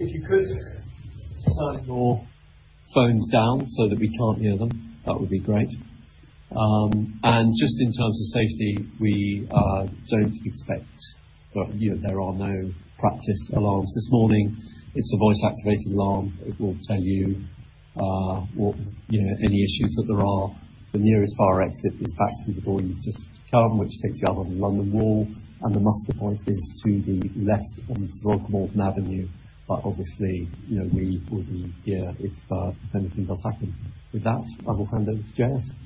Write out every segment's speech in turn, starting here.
If you could turn your phones down so that we can't hear them, that would be great. Just in terms of safety, there are no practice alarms this morning. It's a voice-activated alarm. It will tell you any issues that there are. The nearest fire exit is back through the door you've just come, which takes you out on London Wall, the muster point is to the left on Throgmorton Avenue. Obviously, we would be here if anything does happen. With that, I will hand over to Jacques.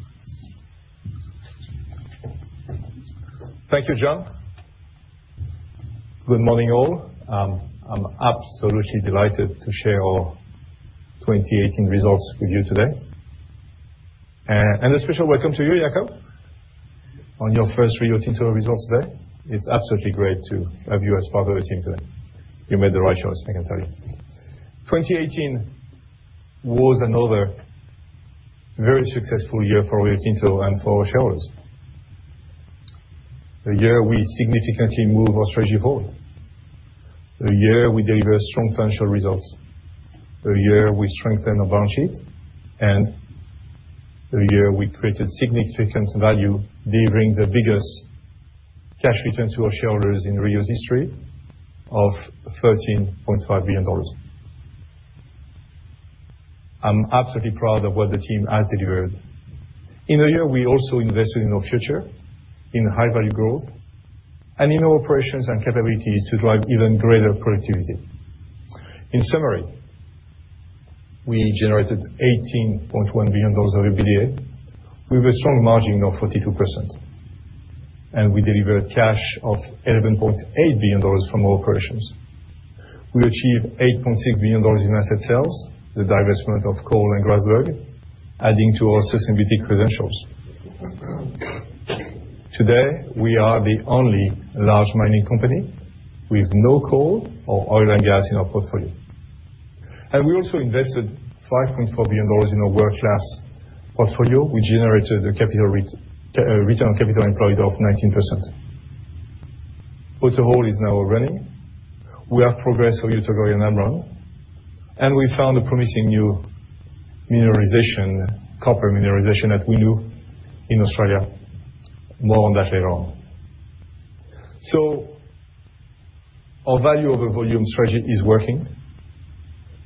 Thank you, John. Good morning, all. I'm absolutely delighted to share our 2018 results with you today. A special welcome to you, Jakob, on your first Rio Tinto results day. It's absolutely great to have you as part of the team today. You made the right choice, I can tell you. 2018 was another very successful year for Rio Tinto and for our shareholders. A year we significantly moved our strategy forward. A year we delivered strong financial results. A year we strengthened our balance sheet. A year we created significant value, delivering the biggest cash return to our shareholders in Rio's history of $13.5 billion. I'm absolutely proud of what the team has delivered. In the year, we also invested in our future, in high-value growth, and in our operations and capabilities to drive even greater productivity. In summary, we generated $18.1 billion of EBITDA, with a strong margin of 42%, we delivered cash of $11.8 billion from our operations. We achieved $8.6 billion in asset sales, the divestment of coal and Grasberg, adding to our sustainability credentials. Today, we are the only large mining company with no coal or oil and gas in our portfolio. We also invested $5.4 billion in our world-class portfolio, which generated a return on capital employed of 19%. AutoHaul is now running. We have progressed Oyu Tolgoi and Amrun, we found a promising new copper mineralisation at Winu in Australia. More on that later on. Our value over volume strategy is working,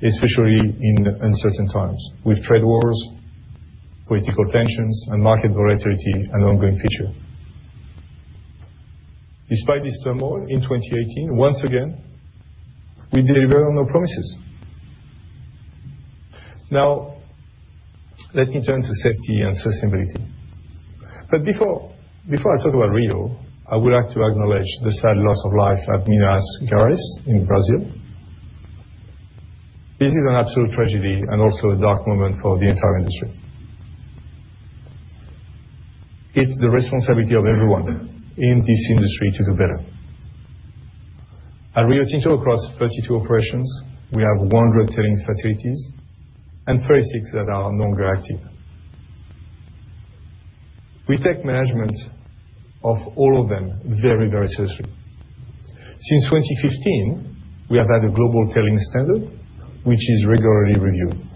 especially in uncertain times with trade wars, political tensions, and market volatility an ongoing feature. Despite this turmoil, in 2018, once again, we delivered on our promises. Let me turn to safety and sustainability. Before I talk about Rio, I would like to acknowledge the sad loss of life at Minas Gerais in Brazil. This is an absolute tragedy and also a dark moment for the entire industry. It's the responsibility of everyone in this industry to do better. At Rio Tinto, across 32 operations, we have 110 facilities and 36 that are no longer active. We take management of all of them very, very seriously. Since 2015, we have had a global tailing standard, which is regularly reviewed.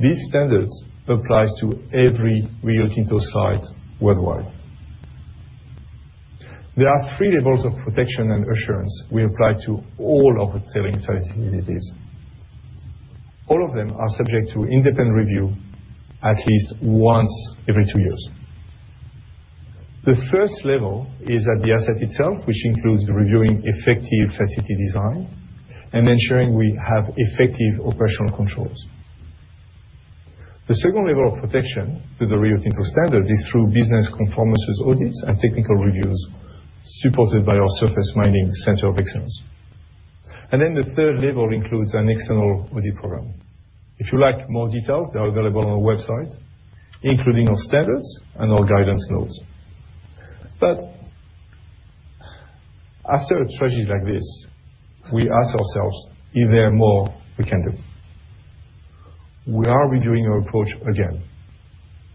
These standards applies to every Rio Tinto site worldwide. There are three levels of protection and assurance we apply to all of our tailing facilities. All of them are subject to independent review at least once every two years. The first level is at the asset itself, which includes reviewing effective facility design and ensuring we have effective operational controls. The second level of protection to the Rio Tinto standard is through business conformance audits and technical reviews, supported by our Surface Mining Center of Excellence. The third level includes an external audit program. If you like more detail, they are available on our website, including our standards and our guidance notes. After a tragedy like this, we ask ourselves if there are more we can do. We are reviewing our approach again,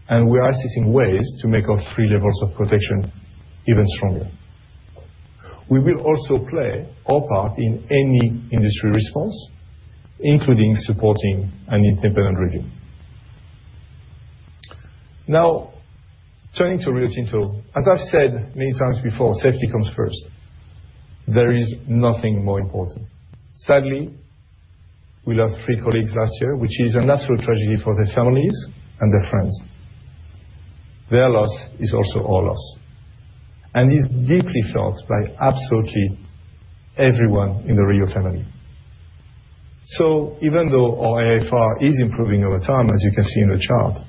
and we are assessing ways to make our 3 levels of protection even stronger. We will also play our part in any industry response, including supporting an independent review. Turning to Rio Tinto. As I've said many times before, safety comes first. There is nothing more important. Sadly, we lost three colleagues last year, which is an absolute tragedy for their families and their friends. Their loss is also our loss and is deeply felt by absolutely everyone in the Rio family. Even though our AFR is improving over time, as you can see in the chart,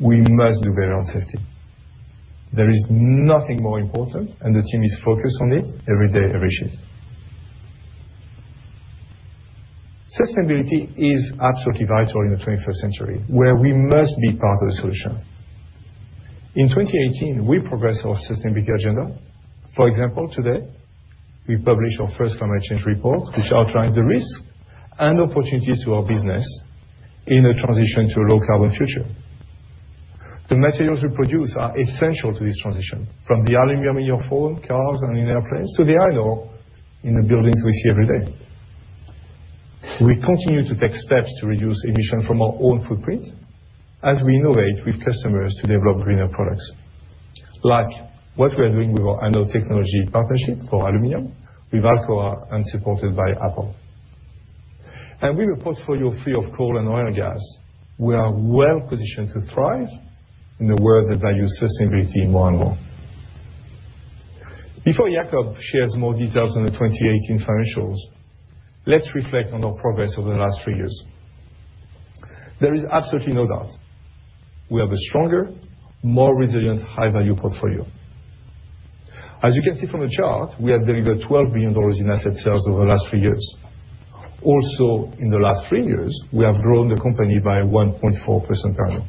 we must do better on safety. There is nothing more important, and the team is focused on it every day, every shift. Sustainability is absolutely vital in the 21st century, where we must be part of the solution. In 2018, we progressed our sustainability agenda. For example, today, we publish our first climate change report which outlines the risks and opportunities to our business in a transition to a low-carbon future. The materials we produce are essential to this transition, from the aluminum in your phone, cars, and in airplanes to the iron ore in the buildings we see every day. We continue to take steps to reduce emissions from our own footprint as we innovate with customers to develop greener products. Like what we are doing with our anode technology partnership for aluminum with Alcoa and supported by Apple. With a portfolio free of coal and oil and gas, we are well-positioned to thrive in a world that values sustainability more and more. Before Jakob shares more details on the 2018 financials, let's reflect on our progress over the last three years. There is absolutely no doubt we have a stronger, more resilient, high-value portfolio. As you can see from the chart, we have delivered $12 billion in asset sales over the last three years. Also in the last three years, we have grown the company by 1.4% annually,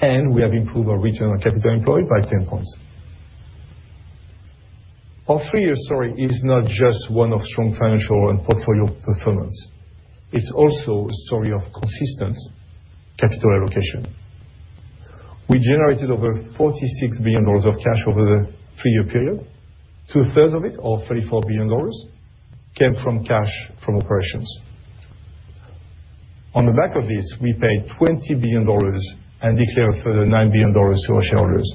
and we have improved our return on capital employed by 10 points. Our three-year story is not just one of strong financial and portfolio performance. It's also a story of consistent capital allocation. We generated over $46 billion of cash over the three-year period. Two-thirds of it, or $34 billion, came from cash from operations. On the back of this, we paid $20 billion and declared a further $9 billion to our shareholders.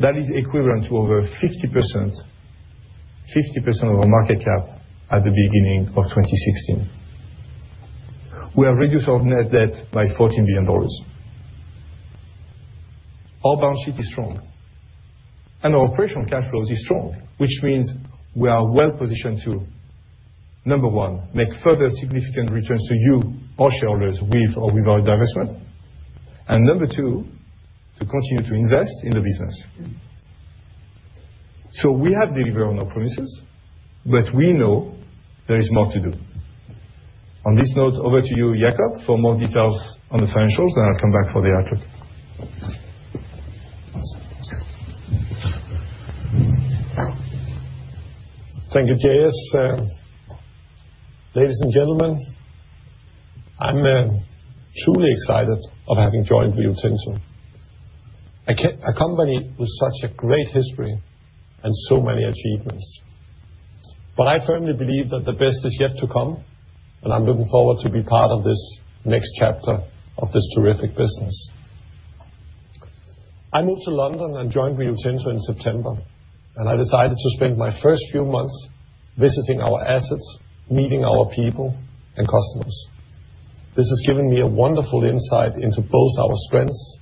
That is equivalent to over 50% of our market cap at the beginning of 2016. We have reduced our net debt by $14 billion. Our balance sheet is strong, and our operational cash flows are strong, which means we are well positioned to, number 1, make further significant returns to you, our shareholders, with or without divestment, and number 2, to continue to invest in the business. We have delivered on our promises, we know there is more to do. On this note, over to you, Jakob, for more details on the financials. I'll come back for the outlook. Thank you, J.S. Ladies and gentlemen, I'm truly excited of having joined Rio Tinto, a company with such a great history and so many achievements. I firmly believe that the best is yet to come, and I'm looking forward to be part of this next chapter of this terrific business. I moved to London and joined Rio Tinto in September. I decided to spend my first few months visiting our assets, meeting our people and customers. This has given me a wonderful insight into both our strengths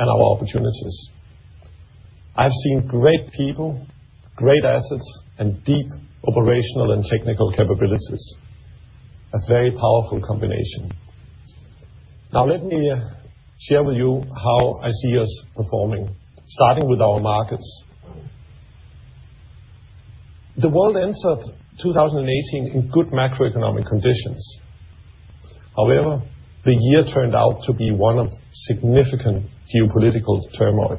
and our opportunities. I've seen great people, great assets, and deep operational and technical capabilities. A very powerful combination. Let me share with you how I see us performing, starting with our markets. The world entered 2018 in good macroeconomic conditions. However, the year turned out to be one of significant geopolitical turmoil.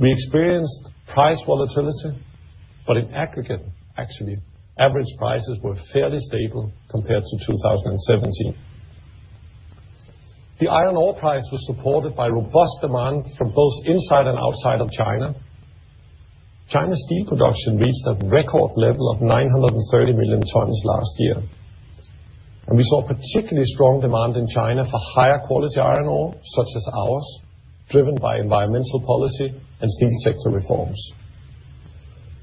We experienced price volatility, in aggregate, actually, average prices were fairly stable compared to 2017. The iron ore price was supported by robust demand from both inside and outside of China. China's steel production reached a record level of 930 million tons last year. We saw particularly strong demand in China for higher quality iron ore, such as ours, driven by environmental policy and steel sector reforms.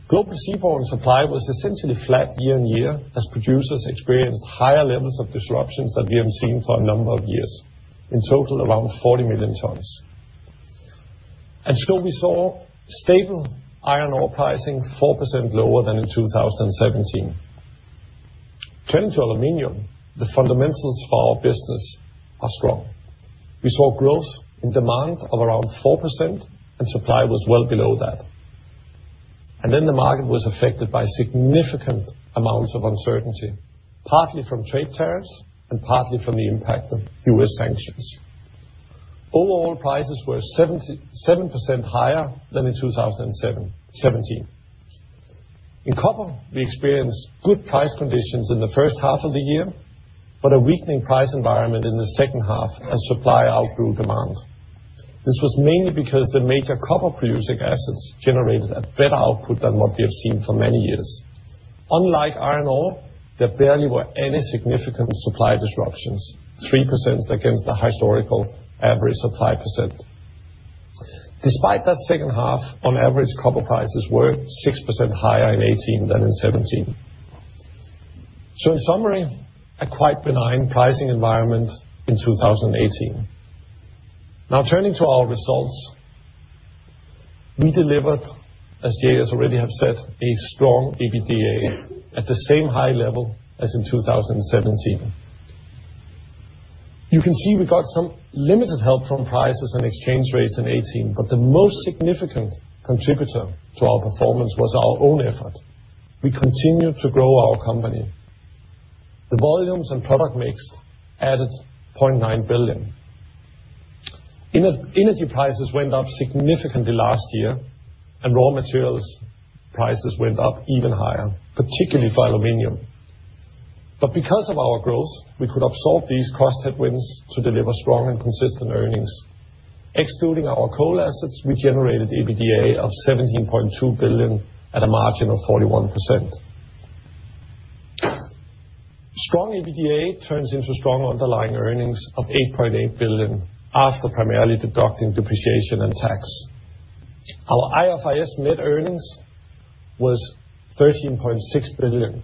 Global seaborne supply was essentially flat year-on-year as producers experienced higher levels of disruptions than we have seen for a number of years. In total, around 40 million tons. Still, we saw stable iron ore pricing 4% lower than in 2017. Turning to aluminum, the fundamentals for our business are strong. We saw growth in demand of around 4%. Supply was well below that. The market was affected by significant amounts of uncertainty, partly from trade tariffs and partly from the impact of U.S. sanctions. Overall, prices were 7% higher than in 2017. In copper, we experienced good price conditions in the first half of the year, a weakening price environment in the second half as supply outgrew demand. This was mainly because the major copper-producing assets generated a better output than what we have seen for many years. Unlike iron ore, there barely were any significant supply disruptions, 3% against the historical average of 5%. Despite that second half, on average, copper prices were 6% higher in 2018 than in 2017. In summary, a quite benign pricing environment in 2018. Turning to our results. We delivered, as J.S. already have said, a strong EBITDA at the same high level as in 2017. You can see we got some limited help from prices and exchange rates in 2018, but the most significant contributor to our performance was our own effort. We continued to grow our company. The volumes and product mix added $0.9 billion. Energy prices went up significantly last year, and raw materials prices went up even higher, particularly for aluminum. Because of our growth, we could absorb these cost headwinds to deliver strong and consistent earnings. Excluding our coal assets, we generated EBITDA of $17.2 billion at a margin of 41%. Strong EBITDA turns into strong underlying earnings of $8.8 billion after primarily deducting depreciation and tax. Our IFRS net earnings was $13.6 billion,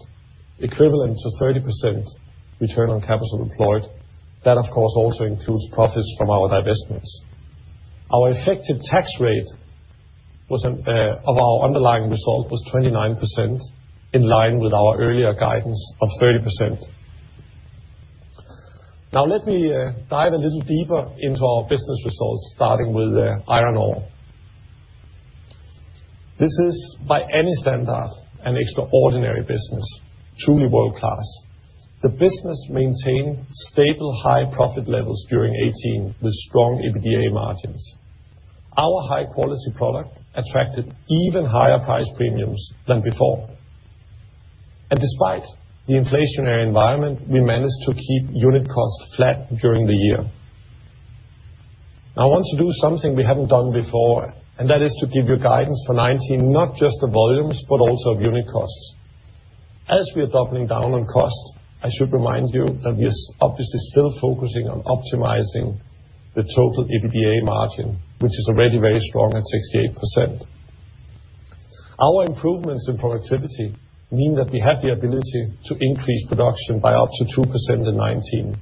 equivalent to 30% return on capital employed. That, of course, also includes profits from our divestments. Our effective tax rate of our underlying result was 29%, in line with our earlier guidance of 30%. Let me dive a little deeper into our business results, starting with iron ore. This is by any standard, an extraordinary business, truly world-class. The business maintained stable, high profit levels during 2018 with strong EBITDA margins. Our high-quality product attracted even higher price premiums than before. Despite the inflationary environment, we managed to keep unit costs flat during the year. I want to do something we haven't done before, and that is to give you guidance for 2019, not just the volumes, but also of unit costs. We are doubling down on costs, I should remind you that we are obviously still focusing on optimizing the total EBITDA margin, which is already very strong at 68%. Our improvements in productivity mean that we have the ability to increase production by up to 2% in 2019.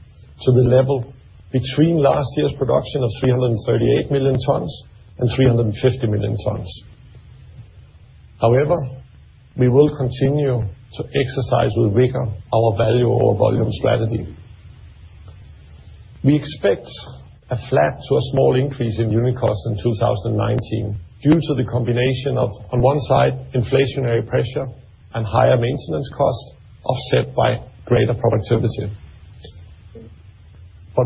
The level between last year's production of 338 million tons and 350 million tons. We will continue to exercise with vigor our value or volume strategy. We expect a flat to a small increase in unit costs in 2019 due to the combination of, on one side, inflationary pressure and higher maintenance costs offset by greater productivity.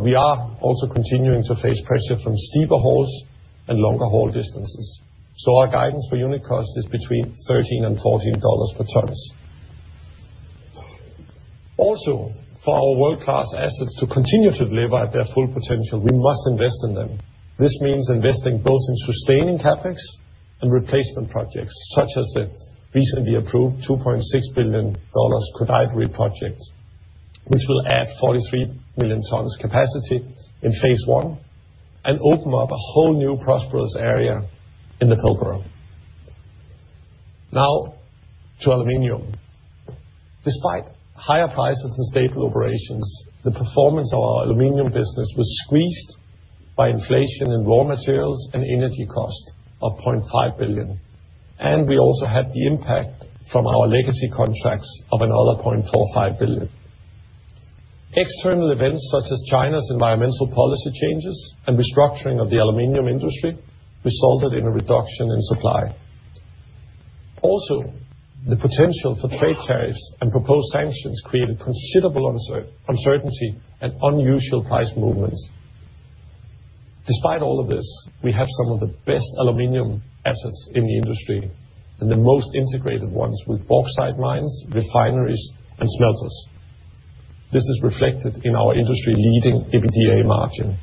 We are also continuing to face pressure from steeper hauls and longer haul distances. Our guidance for unit cost is between $13 and $14 per ton. For our world-class assets to continue to deliver at their full potential, we must invest in them. This means investing both in sustaining CapEx and replacement projects, such as the recently approved $2.6 billion Koodaideri project, which will add 43 million tons capacity in phase 1 and open up a whole new prosperous area in the Pilbara. To aluminum. Despite higher prices and stable operations, the performance of our aluminum business was squeezed by inflation in raw materials and energy costs of $0.5 billion. We also had the impact from our legacy contracts of another $0.45 billion. External events such as China's environmental policy changes and restructuring of the aluminum industry resulted in a reduction in supply. The potential for trade tariffs and proposed sanctions created considerable uncertainty and unusual price movements. Despite all of this, we have some of the best aluminum assets in the industry and the most integrated ones with bauxite mines, refineries, and smelters. This is reflected in our industry-leading EBITDA margin.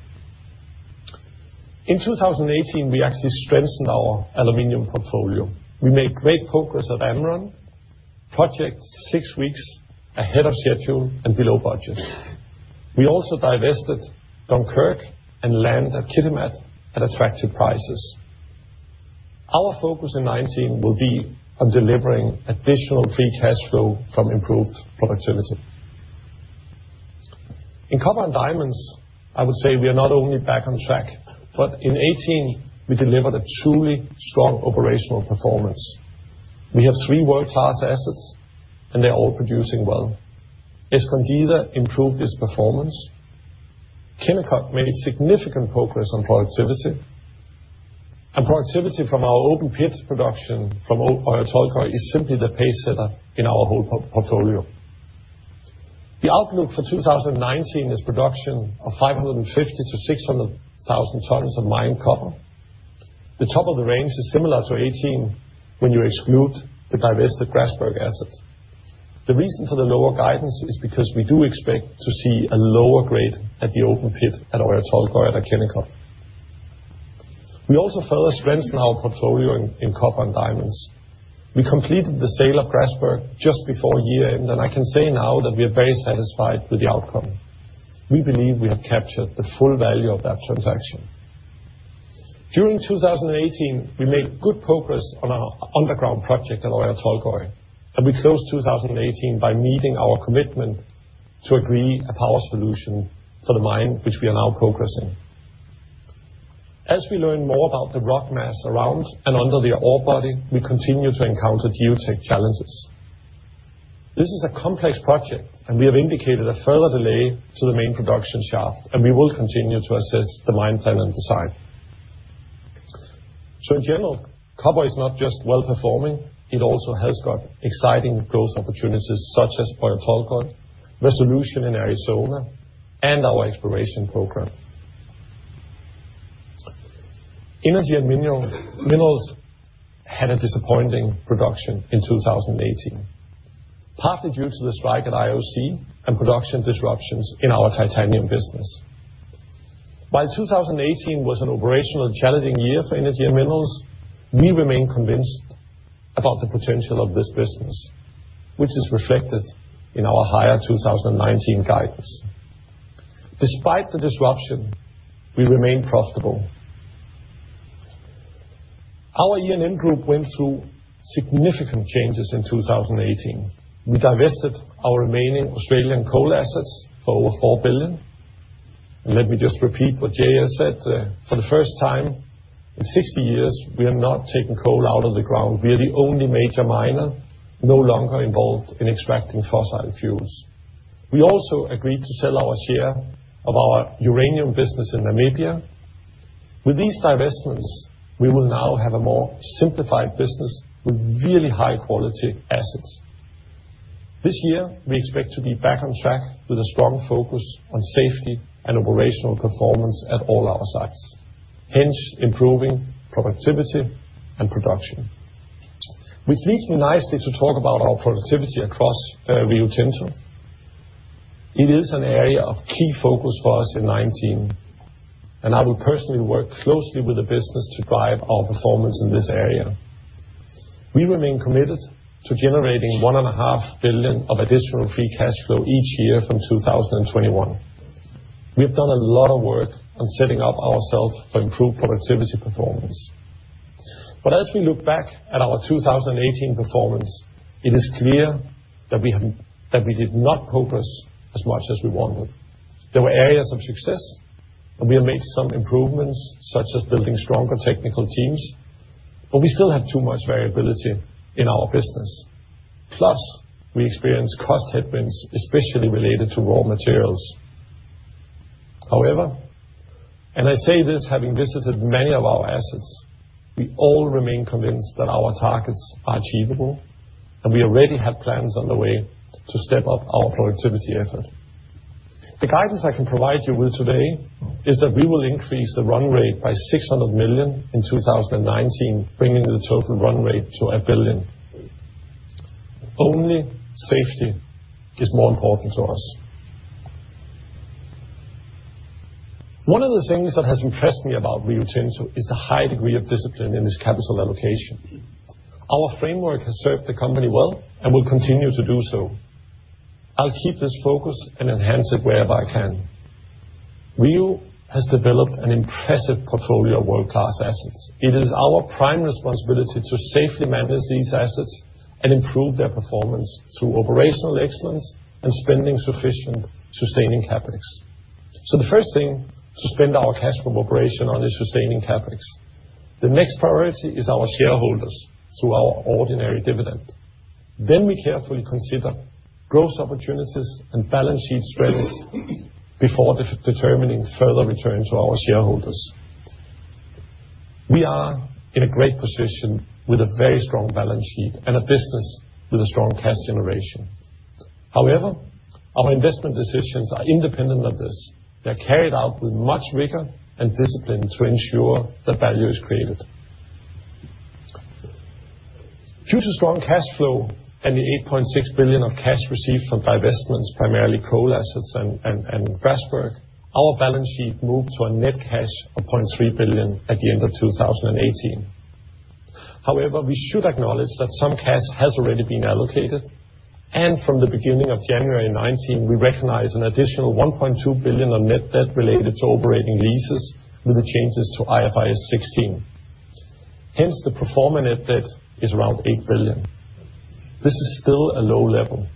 In 2018, we actually strengthened our aluminum portfolio. We made great progress at Amrun. Project six weeks ahead of schedule and below budget. We also divested Dunkerque and land at Kitimat at attractive prices. Our focus in 2019 will be on delivering additional free cash flow from improved productivity. In copper and diamonds, I would say we are not only back on track, but in 2018, we delivered a truly strong operational performance. We have three world-class assets, and they're all producing well. Escondida improved its performance. Kennecott made significant progress on productivity. Productivity from our open pits production from Oyu Tolgoi is simply the pacesetter in our whole portfolio. The outlook for 2019 is production of 550,000-600,000 tons of mined copper. The top of the range is similar to 2018 when you exclude the divested Grasberg asset. The reason for the lower guidance is because we do expect to see a lower grade at the open pit at Oyu Tolgoi and at Kennecott. We also further strengthened our portfolio in copper and diamonds. We completed the sale of Grasberg just before year-end, I can say now that we are very satisfied with the outcome. We believe we have captured the full value of that transaction. During 2018, we made good progress on our underground project at Oyu Tolgoi, we closed 2018 by meeting our commitment to agree a power solution for the mine, which we are now progressing. As we learn more about the rock mass around and under the ore body, we continue to encounter geotech challenges. This is a complex project, we have indicated a further delay to the main production shaft, we will continue to assess the mine plan and design. In general, copper is not just well-performing, it also has got exciting growth opportunities such as Oyu Tolgoi, Resolution in Arizona, and our exploration program. Energy and Minerals had a disappointing production in 2018, partly due to the strike at IOC and production disruptions in our titanium business. While 2018 was an operational challenging year for Energy and Minerals, we remain convinced about the potential of this business, which is reflected in our higher 2019 guidance. Despite the disruption, we remain profitable. Our E&M group went through significant changes in 2018. We divested our remaining Australian coal assets for over $4 billion. Let me just repeat what Jay has said. For the first time in 60 years, we are not taking coal out of the ground. We are the only major miner no longer involved in extracting fossil fuels. We also agreed to sell our share of our uranium business in Namibia. With these divestments, we will now have a more simplified business with really high-quality assets. This year, we expect to be back on track with a strong focus on safety and operational performance at all our sites, hence improving productivity and production. Which leads me nicely to talk about our productivity across Rio Tinto. It is an area of key focus for us in 2019, I will personally work closely with the business to drive our performance in this area. We remain committed to generating $1.5 billion of additional free cash flow each year from 2021. We have done a lot of work on setting up ourselves for improved productivity performance. As we look back at our 2018 performance, it is clear that we did not progress as much as we wanted. There were areas of success, we have made some improvements, such as building stronger technical teams, we still have too much variability in our business. We experience cost headwinds, especially related to raw materials. I say this having visited many of our assets, we all remain convinced that our targets are achievable, we already have plans on the way to step up our productivity effort. The guidance I can provide you with today is that we will increase the run rate by $600 million in 2019, bringing the total run rate to $1 billion. Only safety is more important to us. One of the things that has impressed me about Rio Tinto is the high degree of discipline in this capital allocation. Our framework has served the company well and will continue to do so. I'll keep this focus and enhance it wherever I can. Rio has developed an impressive portfolio of world-class assets. It is our prime responsibility to safely manage these assets and improve their performance through operational excellence and spending sufficient sustaining CapEx. The first thing, suspend our cash from operation on the sustaining CapEx. The next priority is our shareholders through our ordinary dividend. We carefully consider growth opportunities and balance sheet strengths before determining further return to our shareholders. We are in a great position with a very strong balance sheet and a business with a strong cash generation. Our investment decisions are independent of this. They're carried out with much rigor and discipline to ensure that value is created. Due to strong cash flow and the $8.6 billion of cash received from divestments, primarily coal assets and Grasberg, our balance sheet moved to a net cash of $0.3 billion at the end of 2018. We should acknowledge that some cash has already been allocated, from the beginning of January 2019, we recognized an additional $1.2 billion on net debt related to operating leases with the changes to IFRS 16. The pro forma net debt is around $8 billion. This is still a low level,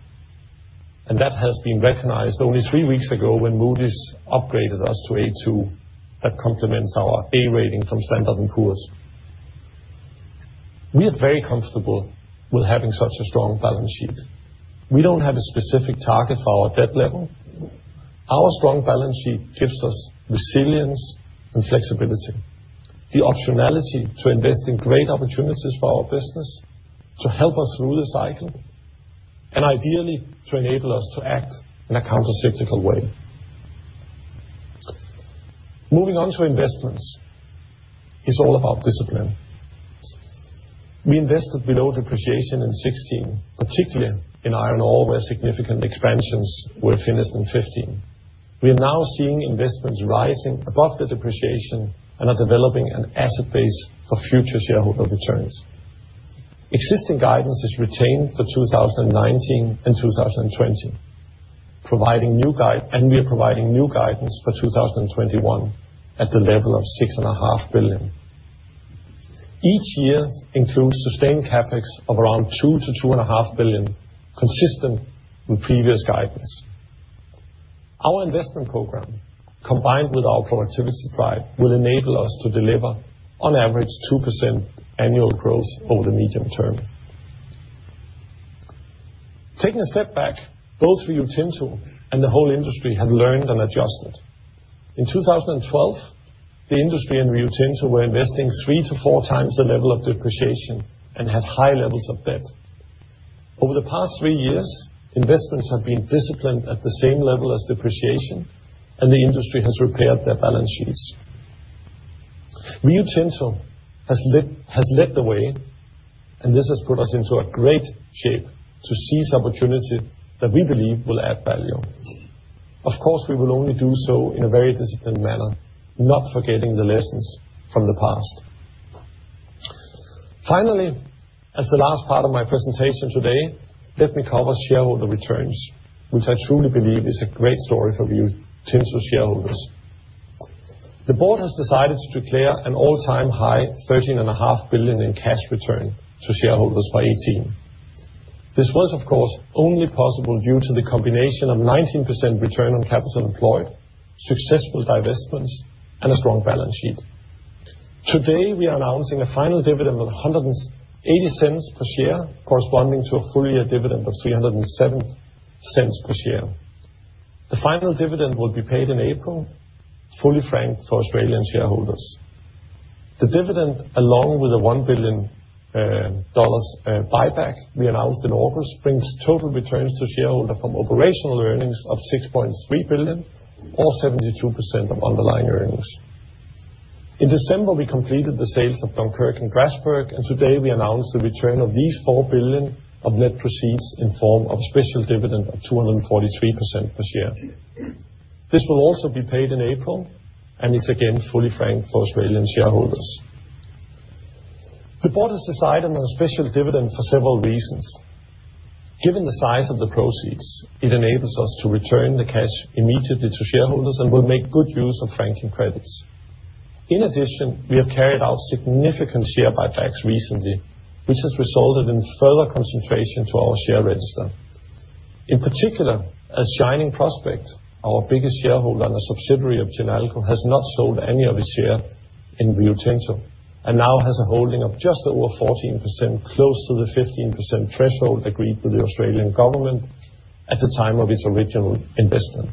that has been recognized only three weeks ago when Moody's upgraded us to A2. That complements our A rating from Standard & Poor's. We are very comfortable with having such a strong balance sheet. We don't have a specific target for our debt level. Our strong balance sheet gives us resilience and flexibility, the optionality to invest in great opportunities for our business to help us through the cycle and ideally, to enable us to act in a countercyclical way. Moving on to investments. It's all about discipline. We invested below depreciation in 2016, particularly in iron ore, where significant expansions were finished in 2015. We are now seeing investments rising above the depreciation and are developing an asset base for future shareholder returns. Existing guidance is retained for 2019 and 2020. We are providing new guidance for 2021 at the level of $6.5 billion. Each year includes sustained CapEx of around $2 billion-$2.5 billion, consistent with previous guidance. Our investment program, combined with our productivity drive, will enable us to deliver on average 2% annual growth over the medium term. Taking a step back, both Rio Tinto and the whole industry have learned and adjusted. In 2012, the industry and Rio Tinto were investing three to four times the level of depreciation and had high levels of debt. Over the past three years, investments have been disciplined at the same level as depreciation, and the industry has repaired their balance sheets. Rio Tinto has led the way, and this has put us into a great shape to seize opportunities that we believe will add value. Of course, we will only do so in a very disciplined manner, not forgetting the lessons from the past. Finally, as the last part of my presentation today, let me cover shareholder returns, which I truly believe is a great story for Rio Tinto shareholders. The board has decided to declare an all-time high $13.5 billion in cash return to shareholders by 2018. This was, of course, only possible due to the combination of 19% return on capital employed, successful divestments, and a strong balance sheet. Today, we are announcing a final dividend of $1.80 per share, corresponding to a full-year dividend of $3.07 per share. The final dividend will be paid in April, fully franked for Australian shareholders. The dividend, along with a $1 billion buyback we announced in August, brings total returns to shareholders from operational earnings of $6.3 billion or 72% of underlying earnings. In December, we completed the sales of Dunkerque and Grasberg, and today we announced the return of these $4 billion of net proceeds in form of special dividend of $2.43 per share. This will also be paid in April and is again fully franked for Australian shareholders. The board has decided on a special dividend for several reasons. Given the size of the proceeds, it enables us to return the cash immediately to shareholders and will make good use of franking credits. In addition, we have carried out significant share buybacks recently, which has resulted in further concentration to our share register. In particular, as Shining Prospect, our biggest shareholder and a subsidiary of Chinalco, has not sold any of its share in Rio Tinto and now has a holding of just over 14%, close to the 15% threshold agreed with the Australian government at the time of its original investment.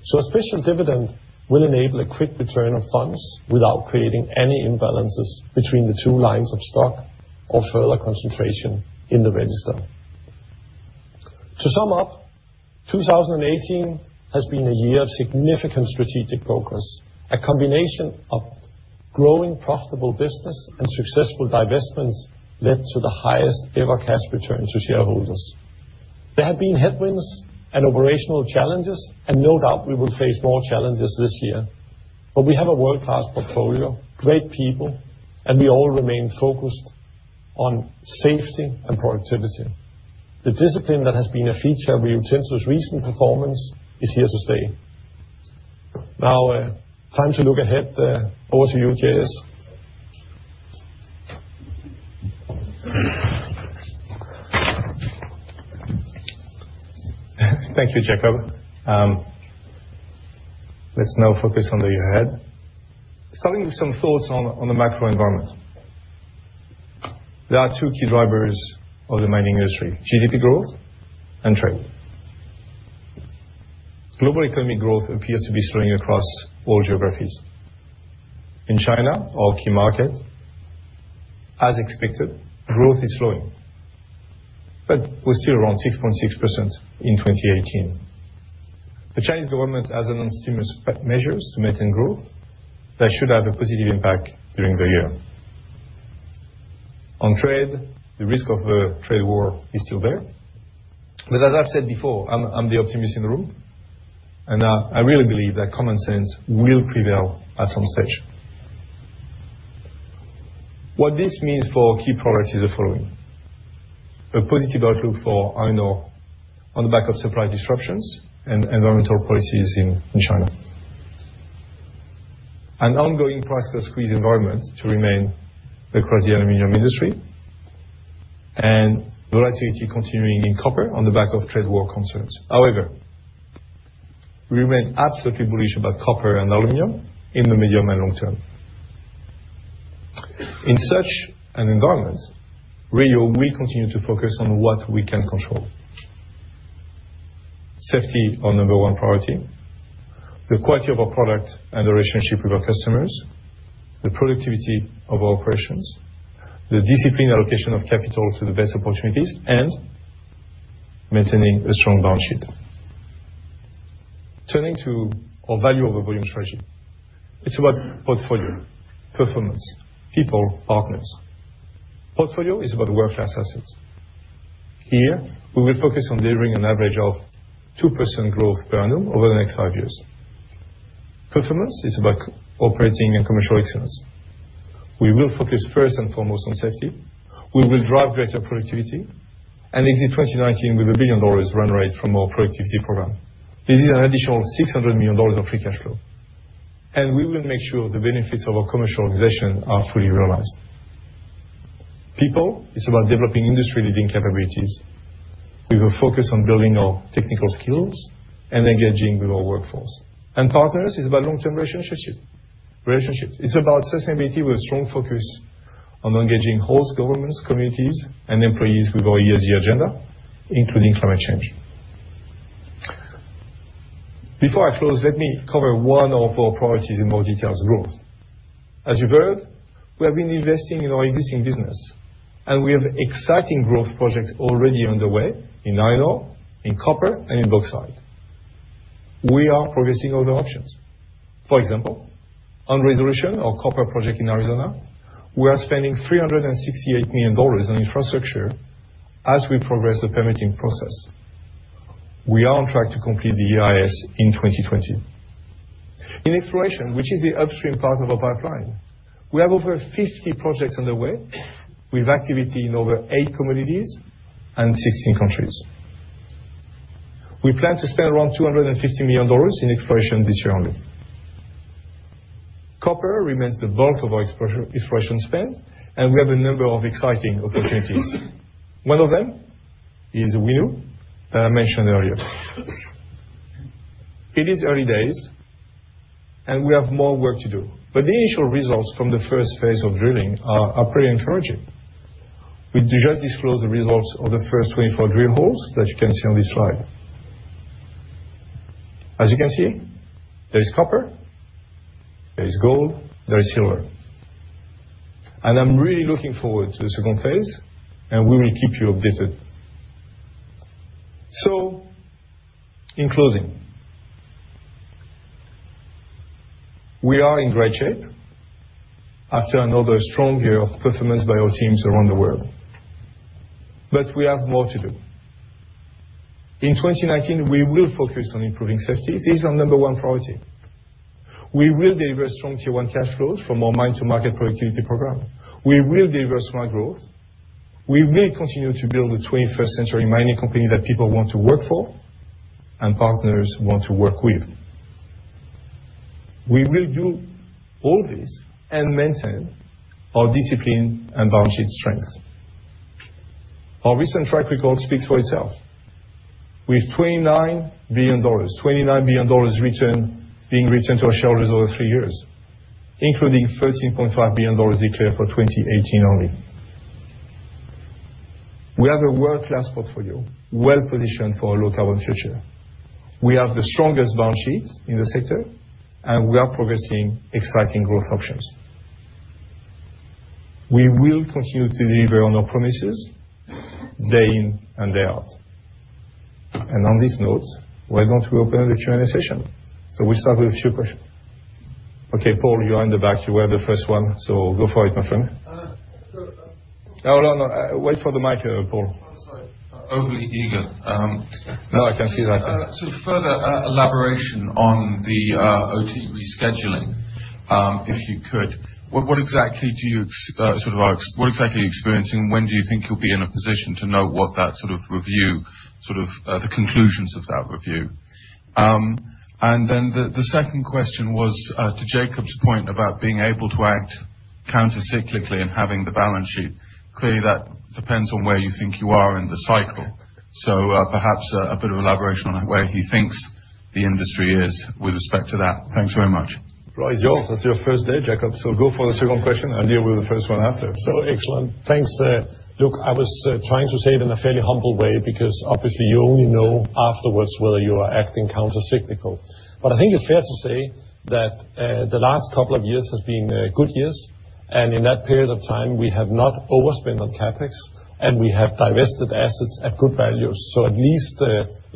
A special dividend will enable a quick return of funds without creating any imbalances between the two lines of stock or further concentration in the register. To sum up, 2018 has been a year of significant strategic progress. A combination of growing profitable business and successful divestments led to the highest ever cash return to shareholders. There have been headwinds and operational challenges. No doubt we will face more challenges this year. We have a world-class portfolio, great people, and we all remain focused on safety and productivity. The discipline that has been a feature of Rio Tinto's recent performance is here to stay. Time to look ahead. Over to you, Jacques. Thank you, Jakob. Let's now focus on the year ahead. Starting with some thoughts on the macro environment. There are two key drivers of the mining industry, GDP growth and trade. Global economic growth appears to be slowing across all geographies. In China, our key market, as expected, growth is slowing. We're still around 6.6% in 2018. The Chinese government has announced stimulus measures to maintain growth that should have a positive impact during the year. On trade, the risk of a trade war is still there. As I've said before, I'm the optimist in the room, and I really believe that common sense will prevail at some stage. What this means for our key products is the following. A positive outlook for iron ore on the back of supply disruptions and environmental policies in China. An ongoing price-cost squeeze environment to remain across the aluminum industry, and volatility continuing in copper on the back of trade war concerns. However, we remain absolutely bullish about copper and aluminum in the medium and long term. In such an environment, Rio will continue to focus on what we can control. Safety, our number one priority, the quality of our product and the relationship with our customers, the productivity of our operations, the disciplined allocation of capital to the best opportunities, and maintaining a strong balance sheet. Turning to our value over volume strategy. It's about portfolio, performance, people, partners. Portfolio is about world-class assets. Here, we will focus on delivering an average of 2% growth per annum over the next five years. Performance is about operating and commercial excellence. We will focus first and foremost on safety. We will drive greater productivity and exit 2019 with a $1 billion run rate from our productivity program. This is an additional $600 million of free cash flow. We will make sure the benefits of our commercialization are fully realized. People is about developing industry-leading capabilities. We will focus on building our technical skills and engaging with our workforce. Partners is about long-term relationships. It's about sustainability with strong focus on engaging host governments, communities, and employees with our ESG agenda, including climate change. Before I close, let me cover one of our priorities in more details, growth. As you've heard, we have been investing in our existing business, and we have exciting growth projects already underway in iron ore, in copper, and in bauxite. We are progressing all the options. For example, on Resolution, our copper project in Arizona, we are spending $368 million on infrastructure as we progress the permitting process. We are on track to complete the EIS in 2020. In exploration, which is the upstream part of our pipeline, we have over 50 projects underway with activity in over eight commodities and 16 countries. We plan to spend around $250 million in exploration this year only. Copper remains the bulk of our exploration spend, and we have a number of exciting opportunities. One of them is Winu, mentioned earlier. It is early days, and we have more work to do, but the initial results from the first phase of drilling are pretty encouraging. We did just disclose the results of the first 24 drill holes that you can see on this slide. As you can see, there is copper, there is gold, there is silver. I'm really looking forward to the second phase, and we will keep you updated. In closing, we are in great shape after another strong year of performance by our teams around the world. We have more to do. In 2019, we will focus on improving safety. This is our number 1 priority. We will deliver strong Tier 1 cash flows from our Mine-to-Market Productivity Program. We will deliver strong growth. We will continue to build a 21st century mining company that people want to work for and partners want to work with. We will do all this and maintain our discipline and balance sheet strength. Our recent track record speaks for itself. With $29 billion return being returned to our shareholders over 3 years, including $13.5 billion declared for 2018 only. We have a world-class portfolio, well-positioned for a low-carbon future. We have the strongest balance sheets in the sector, we are progressing exciting growth options. We will continue to deliver on our promises day in and day out. On this note, we're going to open the Q&A session. We'll start with a few questions. Okay, Paul, you are in the back. You were the first one, go for it, my friend. Sorry about that. No. Wait for the mic, Paul. I'm sorry. Overly eager. No, I can see that. Further elaboration on the OT rescheduling, if you could. What exactly are you experiencing? When do you think you'll be in a position to know what that review, sort of the conclusions of that review? The second question was to Jakob's point about being able to act counter-cyclically and having the balance sheet. Clearly, that depends on where you think you are in the cycle. Perhaps a bit of elaboration on where he thinks the industry is with respect to that. Thanks very much. Floor is yours. It's your first day, Jakob, go for the second question and deal with the first one after. Excellent. Thanks. Look, I was trying to say it in a fairly humble way because obviously you only know afterwards whether you are acting counter-cyclical. I think it's fair to say that the last couple of years has been good years, and in that period of time, we have not overspent on CapEx, and we have divested assets at good values. At least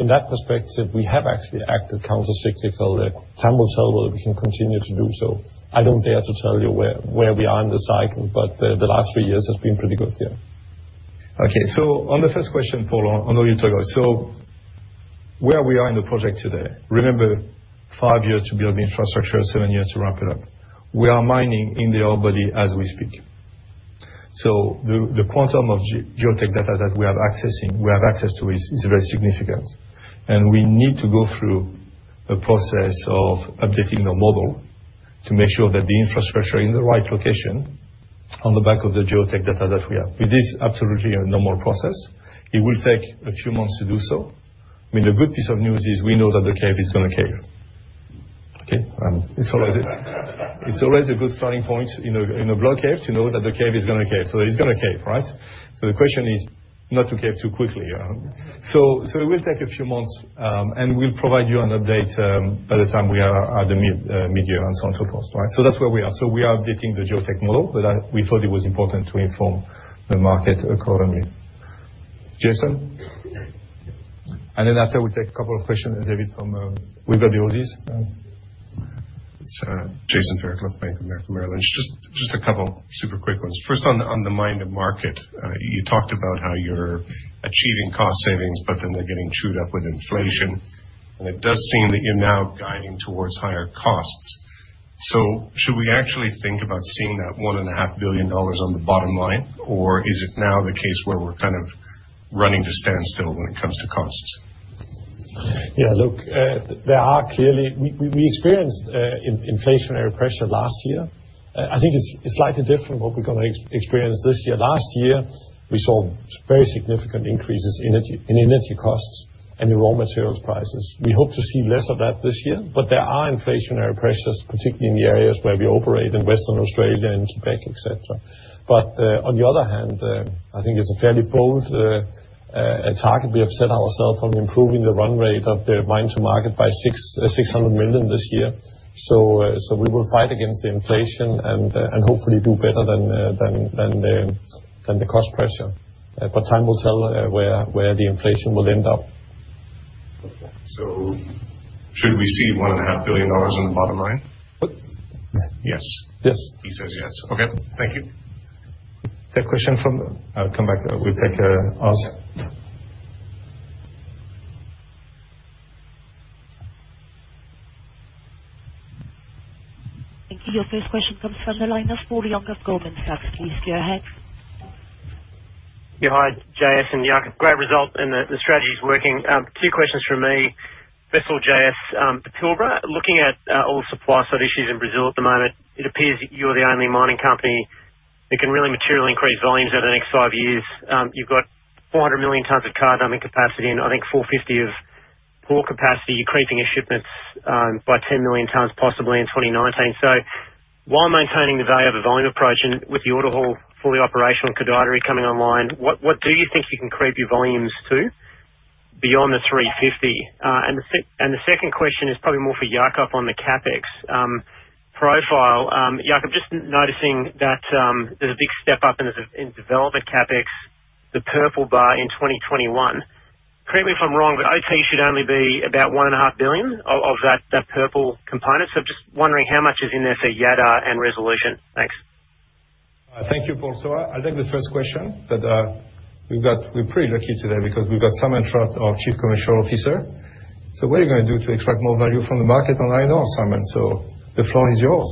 in that perspective, we have actually acted counter-cyclical. Time will tell whether we can continue to do so. I don't dare to tell you where we are in the cycle, but the last three years has been pretty good, yeah. Okay. On the first question, Paul, on Oyu Tolgoi. Where we are in the project today, remember, five years to build the infrastructure, seven years to ramp it up. We are mining in the ore body as we speak. The quantum of geotech data that we have access to is very significant. We need to go through a process of updating the model to make sure that the infrastructure is in the right location on the back of the geotech data that we have. It is absolutely a normal process. It will take a few months to do so. I mean, the good piece of news is we know that the cave is going to cave. Okay? It's always a good starting point in a block cave to know that the cave is going to cave. It is going to cave, right? The question is not to cave too quickly. It will take a few months, and we'll provide you an update by the time we are at the mid-year on total cost. That's where we are. We are updating the geotech model, but we thought it was important to inform the market accordingly. Jason? Then after, we take a couple of questions, David, from-- We've got the Aussies. It's Jason Fairclough, Bank of America Merrill Lynch. Just a couple super quick ones. First, on the Mine-to-Market. You talked about how you're achieving cost savings, but then they're getting chewed up with inflation. It does seem that you're now guiding towards higher costs. Should we actually think about seeing that $1.5 billion on the bottom line? Is it now the case where we're kind of running to standstill when it comes to costs? Look, we experienced inflationary pressure last year. I think it is slightly different what we are going to experience this year. Last year, we saw very significant increases in energy costs and in raw materials prices. We hope to see less of that this year, but there are inflationary pressures, particularly in the areas where we operate in Western Australia and Quebec, et cetera. On the other hand, I think it is a fairly bold target we have set ourselves on improving the run rate of the Mine-to-Market by $600 million this year. We will fight against the inflation and hopefully do better than the cost pressure. Time will tell where the inflation will end up. Okay. Should we see $1.5 billion in the bottom line? Yes. Yes. He says yes. Okay. Thank you. Is there a question from the? I will come back. We will take Oz. Thank you. Your first question comes from the line of Paul Young of Goldman Sachs. Please go ahead. Yeah. Hi, JS and Jakob. Great result. The strategy is working. Two questions from me. First of all, JS, Pilbara, looking at all the supply side issues in Brazil at the moment, it appears that you're the only mining company that can really materially increase volumes over the next five years. You've got 400 million tons of card-driving capacity and I think 450 of core capacity. You're creeping your shipments by 10 million tons possibly in 2019. While maintaining the value over volume approach and with the AutoHaul fully operational and Koodaideri coming online, what do you think you can creep your volumes to beyond the 350? The second question is probably more for Jakob on the CapEx profile. Jakob, just noticing that there's a big step up in development CapEx, the purple bar in 2021. Correct me if I'm wrong, OT should only be about $1.5 billion of that purple component. Just wondering how much is in there for Jadar and Resolution. Thanks. Thank you, Paul. I'll take the first question, that we're pretty lucky today because we've got Simon Trott, our Chief Commercial Officer. What are you going to do to extract more value from the market online? Oh, Simon. The floor is yours.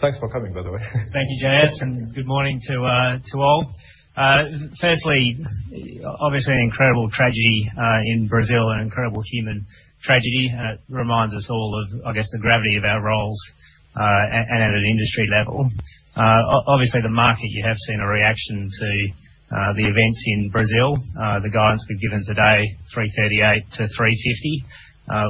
Thanks for coming, by the way. Thank you, JS. Good morning to all. Firstly, obviously an incredible tragedy in Brazil, an incredible human tragedy. It reminds us all of, I guess, the gravity of our roles at an industry level. Obviously, the market, you have seen a reaction to the events in Brazil. The guidance we've given today, 338 to 350.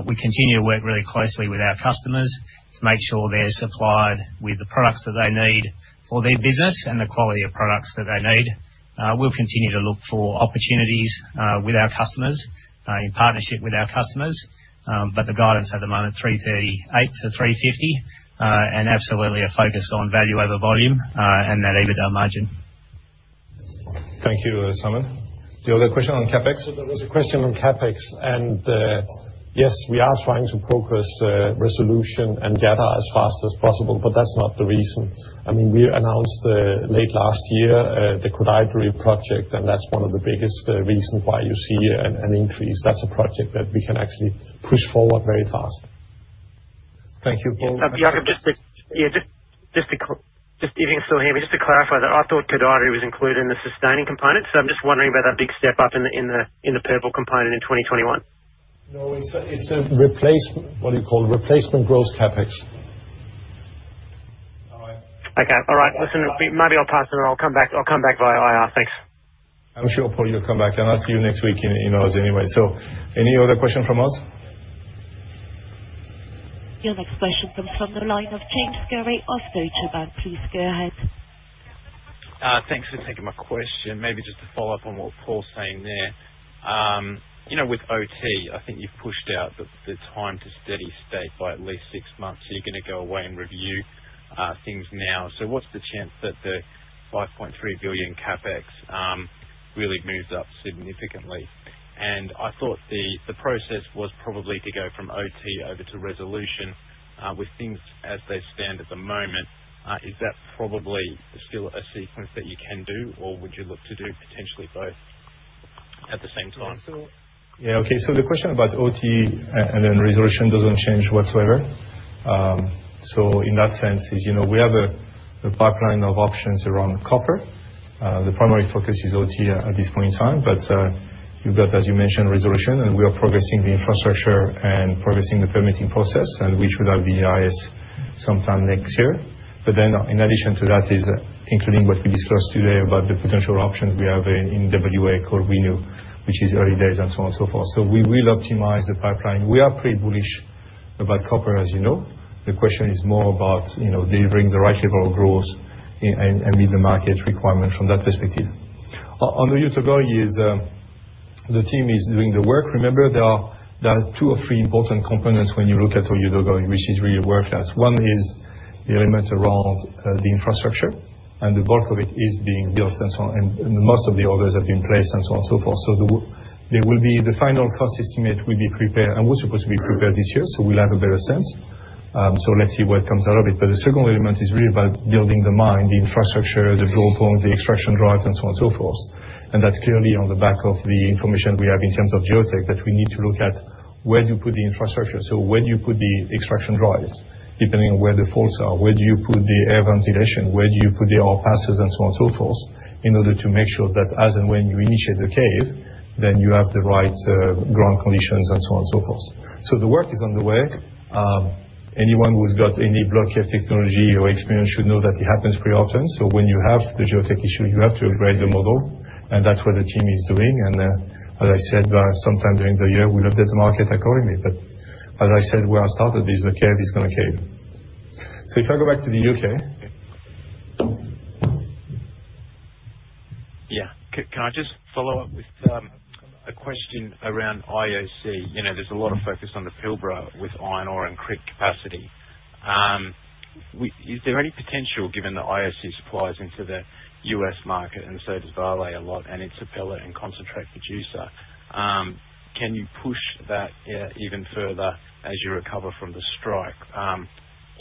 We continue to work really closely with our customers to make sure they're supplied with the products that they need for their business and the quality of products that they need. We'll continue to look for opportunities with our customers, in partnership with our customers. The guidance at the moment, 338 to 350, and absolutely a focus on value over volume, and that EBITDA margin. Thank you, Simon. Do you have a question on CapEx? Yes, we are trying to progress Resolution and Jadar as fast as possible, but that's not the reason. I mean, we announced late last year, the Koodaideri project. That's one of the biggest reasons why you see an increase. That's a project that we can actually push forward very fast. Thank you, Paul. Jakob, if you can still hear me, just to clarify that I thought Koodaideri was included in the sustaining component. I'm just wondering about that big step up in the purple component in 2021. No, it's a replacement. What do you call replacement growth CapEx. Okay. All right. Listen, maybe I'll pass. I'll come back via IR. Thanks. I'm sure, Paul, you'll come back and I'll see you next week in Oz anyway. Any other question from Oz? Your next question comes from the line of James Gurry of Deutsche Bank. Please go ahead. Thanks for taking my question. Maybe just to follow up on what Paul's saying there. With OT, I think you've pushed out the time to steady state by at least six months. You're going to go away and review things now. What's the chance that the $5.3 billion CapEx really moves up significantly? I thought the process was probably to go from OT over to Resolution, with things as they stand at the moment. Is that probably still a sequence that you can do or would you look to do potentially both at the same time? Yeah. Okay. The question about OT and Resolution doesn't change whatsoever. In that sense, as you know, we have a pipeline of options around copper. The primary focus is OT at this point in time. You've got, as you mentioned, Resolution, and we are progressing the infrastructure and progressing the permitting process, and we should have the EIS sometime next year. In addition to that is including what we discussed today about the potential options we have in WA called Winu, which is early days and so on and so forth. We will optimize the pipeline. We are pretty bullish about copper, as you know. The question is more about delivering the right level of growth and meet the market requirement from that perspective. On the Oyu Tolgoi deal, the team is doing the work. Remember, there are two or three important components when you look at where you're going, which is really worthless. One is the element around the infrastructure, and the bulk of it is being built and so on, and most of the orders have been placed and so on and so forth. The final cost estimate will be prepared, and we're supposed to be prepared this year, we'll have a better sense. Let's see what comes out of it. The second element is really about building the mine, the infrastructure, the draw point, the extraction drives, and so on and so forth. That's clearly on the back of the information we have in terms of geotech that we need to look at where do you put the infrastructure. Where do you put the extraction drives? Depending on where the faults are, where do you put the air ventilation? Where do you put the ore passes and so on and so forth, in order to make sure that as and when you initiate the cave, then you have the right ground conditions and so on and so forth. The work is on the way. Anyone who's got any block cave technology or experience should know that it happens pretty often. When you have the geotech issue, you have to upgrade the model, and that's what the team is doing. As I said, sometime during the year, we looked at the market accordingly. As I said when I started, the cave is going to cave. If I go back to the U.K. Yeah. Can I just follow up with a question around IOC? There's a lot of focus on the Pilbara with iron ore and crit capacity. Is there any potential, given that IOC supplies into the U.S. market and so does Vale a lot, and it's a pellet and concentrate producer, can you push that even further as you recover from the strike?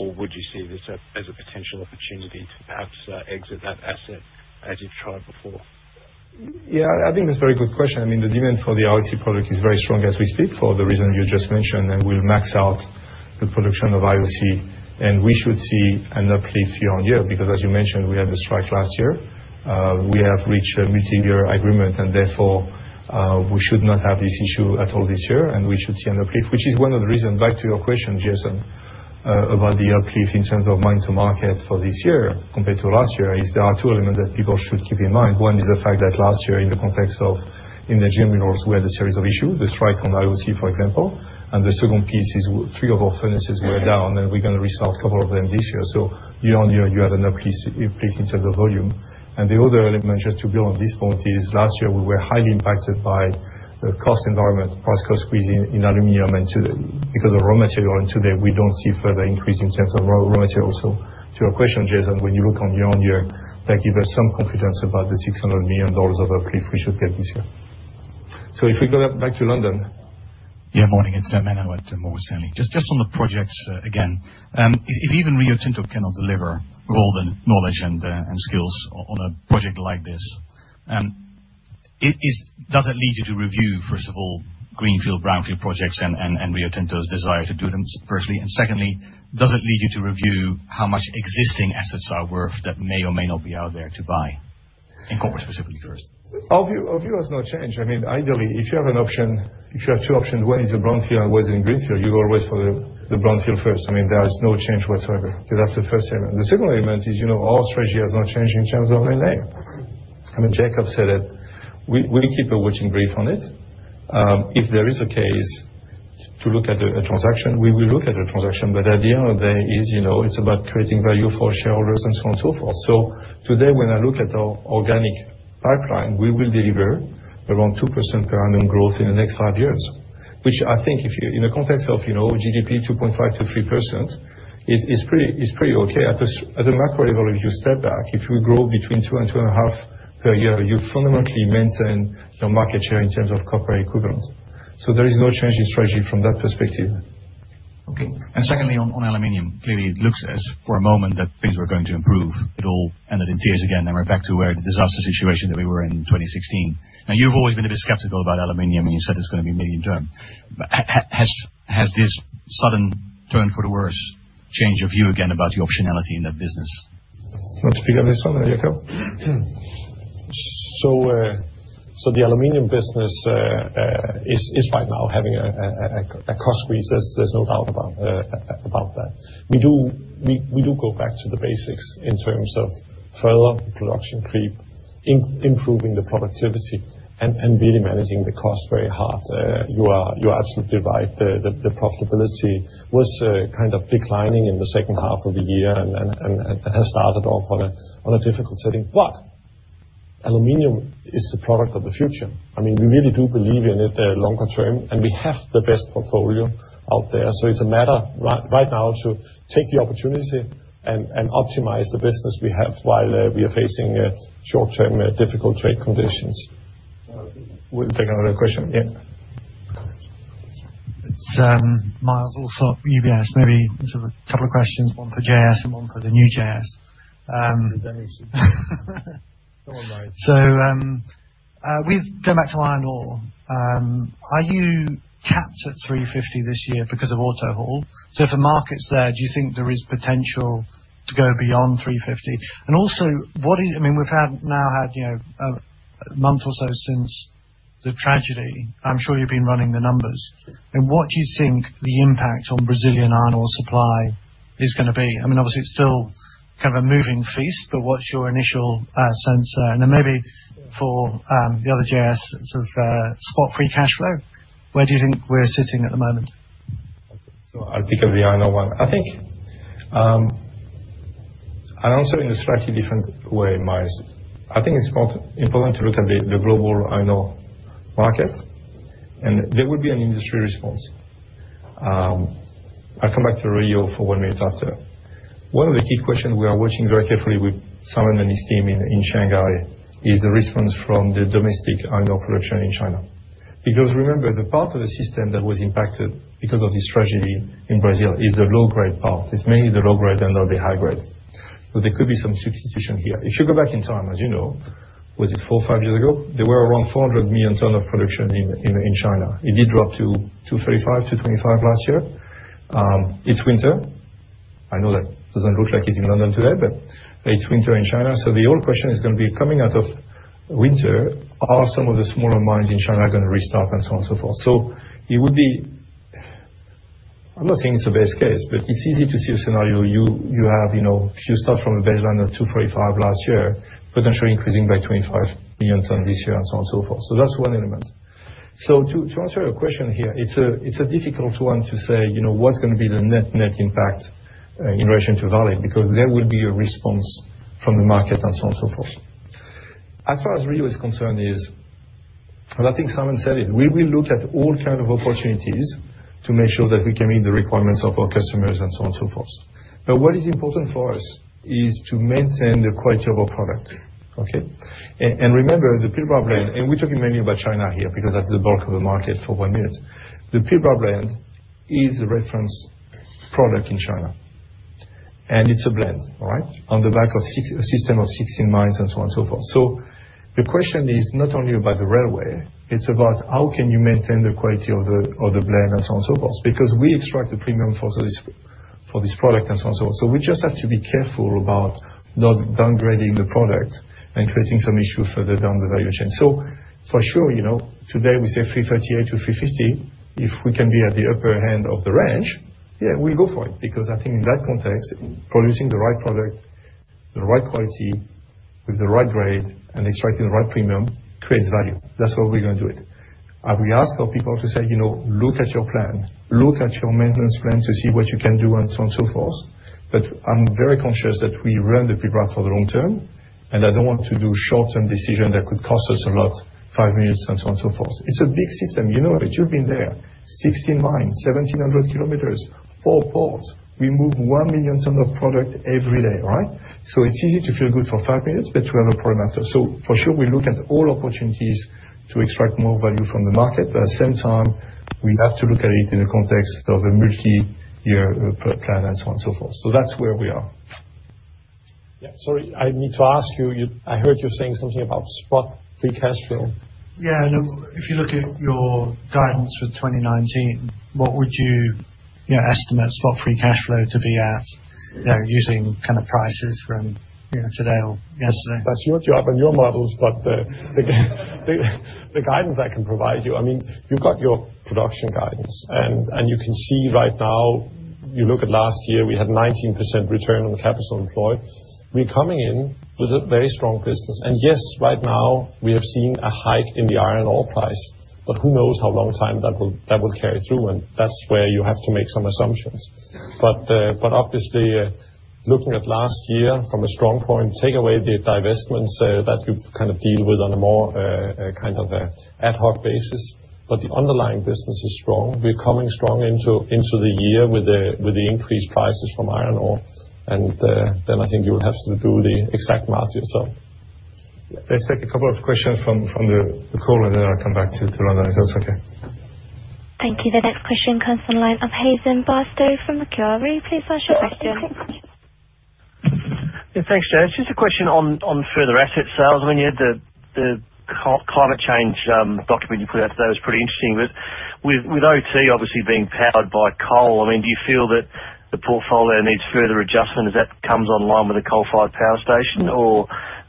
Or would you see this as a potential opportunity to perhaps exit that asset as you've tried before? Yeah, I think that's a very good question. The demand for the IOC product is very strong as we speak for the reason you just mentioned. We'll max out the production of IOC. We should see an uplift year-on-year, because as you mentioned, we had the strike last year. We have reached a multi-year agreement. Therefore, we should not have this issue at all this year. We should see an uplift. Which is one of the reasons, back to your question, Jason, about the uplift in terms of Mine-to-Market for this year compared to last year, is there are two elements that people should keep in mind. One is the fact that last year, in the context of in general, we had a series of issues, the strike on IOC, for example. The second piece is three of our furnaces were down. We're going to restart a couple of them this year. Year-on-year, you have an uplift in terms of volume. The other element, just to build on this point, is last year, we were highly impacted by the cost environment, price-cost squeeze in aluminum, and because of raw material. Today we don't see further increase in terms of raw materials. To your question, Jason, when you look on year-on-year, that gives us some confidence about the $600 million of uplift we should get this year. If we go back to London. Yeah, morning. It's Manuel at Morgan Stanley. Just on the projects again. If even Rio Tinto cannot deliver all the knowledge and skills on a project like this, does it lead you to review, first of all, greenfield, brownfield projects and Rio Tinto's desire to do them firstly? Secondly, does it lead you to review how much existing assets are worth that may or may not be out there to buy? Copper specifically first. Our view has not changed. Ideally, if you have two options, one is a brownfield and one is a greenfield, you go always for the brownfield first. There is no change whatsoever. That's the first element. The second element is our strategy has not changed in terms of M&A. Jakob said it. We keep a watching brief on it. If there is a case to look at a transaction, we will look at a transaction, but at the end of the day, it's about creating value for our shareholders and so on and so forth. Today, when I look at our organic pipeline, we will deliver around 2% per annum growth in the next five years, which I think in the context of GDP 2.5%-3%, it's pretty okay. At the macro level, if you step back, if we grow between two and 2.5 per year, you fundamentally maintain your market share in terms of copper equivalent. There is no change in strategy from that perspective. Okay. Secondly, on aluminum. Clearly, it looks as for a moment that things were going to improve. It all ended in tears again, and we're back to where the disaster situation that we were in 2016. Now, you've always been a bit skeptical about aluminum, and you said it's going to be medium-term. Has this sudden turn for the worse changed your view again about the optionality in that business? Want to pick up this one, Jakob? The aluminum business is right now having a cost squeeze. There's no doubt about that. We do go back to the basics in terms of further production creep, improving the productivity, and really managing the cost very hard. You are absolutely right. The profitability was kind of declining in the second half of the year and has started off on a difficult setting. Aluminum is the product of the future. We really do believe in it longer term, and we have the best portfolio out there. It's a matter right now to take the opportunity and optimize the business we have while we are facing short-term difficult trade conditions. We'll take another question. Yeah. It's Myles Allsop, UBS. Maybe sort of a couple of questions, one for JS and one for the new JS. The damage is done. Go on, Myles. Going back to iron ore. Are you capped at 350 this year because of AutoHaul? If the market's there, do you think there is potential to go beyond 350? We've now had a month or so since the tragedy. I'm sure you've been running the numbers. What do you think the impact on Brazilian iron ore supply is going to be? Obviously, it's still kind of a moving feast, but what's your initial sense? Maybe for the other J.S., sort of spot-free cash flow, where do you think we're sitting at the moment? I'll pick up the iron ore one. I'll answer in a slightly different way, Myles. I think it's important to look at the global iron ore market. There will be an industry response. I'll come back to Rio for one minute after. One of the key questions we are watching very carefully with Simon and his team in Shanghai is the response from the domestic iron ore production in China. Remember, the part of the system that was impacted because of this tragedy in Brazil is the low-grade part. It's mainly the low grade and not the high grade. There could be some substitution here. If you go back in time, as you know, was it four or five years ago? There were around 400 million tons of production in China. It did drop to 235, 225 last year. It's winter. I know that doesn't look like it in London today, but it's winter in China. The old question is going to be coming out of winter, are some of the smaller mines in China going to restart and so on and so forth? I'm not saying it's the best case, but it's easy to see a scenario you have if you start from a baseline of 245 last year, potentially increasing by 25 million tons this year and so on and so forth. That's one element. To answer your question here, it's a difficult one to say what's going to be the net impact in relation to Vale, because there will be a response from the market and so on and so forth. As far as Rio is concerned, I think Simon said it. We will look at all kind of opportunities to make sure that we can meet the requirements of our customers and so on and so forth. What is important for us is to maintain the quality of our product. Okay? Remember, the Pilbara brand, and we're talking mainly about China here, because that's the bulk of the market for one minute. The Pilbara brand is a reference product in China, and it's a brand, all right? On the back of a system of 16 mines and so on and so forth. The question is not only about the railway, it's about how can you maintain the quality of the brand and so on and so forth, because we extract a premium for this product and so on and so forth. We just have to be careful about not downgrading the product and creating some issue further down the value chain. For sure, today we say 338 to 350. If we can be at the upper hand of the range, yeah, we'll go for it. Because I think in that context, producing the right product, the right quality with the right grade and extracting the right premium creates value. That's how we're going to do it. We ask our people to say, "Look at your plan, look at your maintenance plan to see what you can do," and so on and so forth. I'm very conscious that we run the Pilbara for the long term, and I don't want to do short-term decision that could cost us a lot, 5 minutes and so on and so forth. It's a big system, you know it. You've been there. 16 mines, 1,700 kilometers, 4 ports. We move 1 million ton of product every day, right? It's easy to feel good for 5 minutes, but we have a parameter. For sure, we look at all opportunities to extract more value from the market, at the same time, we have to look at it in the context of a multi-year plan and so on and so forth. That's where we are. Yeah. Sorry, I need to ask you. I heard you saying something about spot free cash flow. Yeah, if you look at your guidance for 2019, what would you estimate spot free cash flow to be at using prices from today or yesterday? That's your job and your models. The guidance I can provide you've got your production guidance, you can see right now, you look at last year, we had 19% return on the capital employed. We're coming in with a very strong business. Yes, right now we have seen a hike in the iron ore price. Who knows how long time that will carry through, that's where you have to make some assumptions. Obviously, looking at last year from a strong point, take away the divestments that you kind of deal with on a more ad hoc basis. The underlying business is strong. We're coming strong into the year with the increased prices from iron ore, then I think you'll have to do the exact math yourself. Let's take a couple of questions from the call, then I'll come back to London, if that's okay. Thank you. The next question comes from the line of Hayden Bairstow from Macquarie. Please flash your question. Yeah, thanks, Jean. It's just a question on further asset sales. When you had the climate change document you put out today was pretty interesting. With OT obviously being powered by coal, do you feel that the portfolio needs further adjustment as that comes online with a coal-fired power station?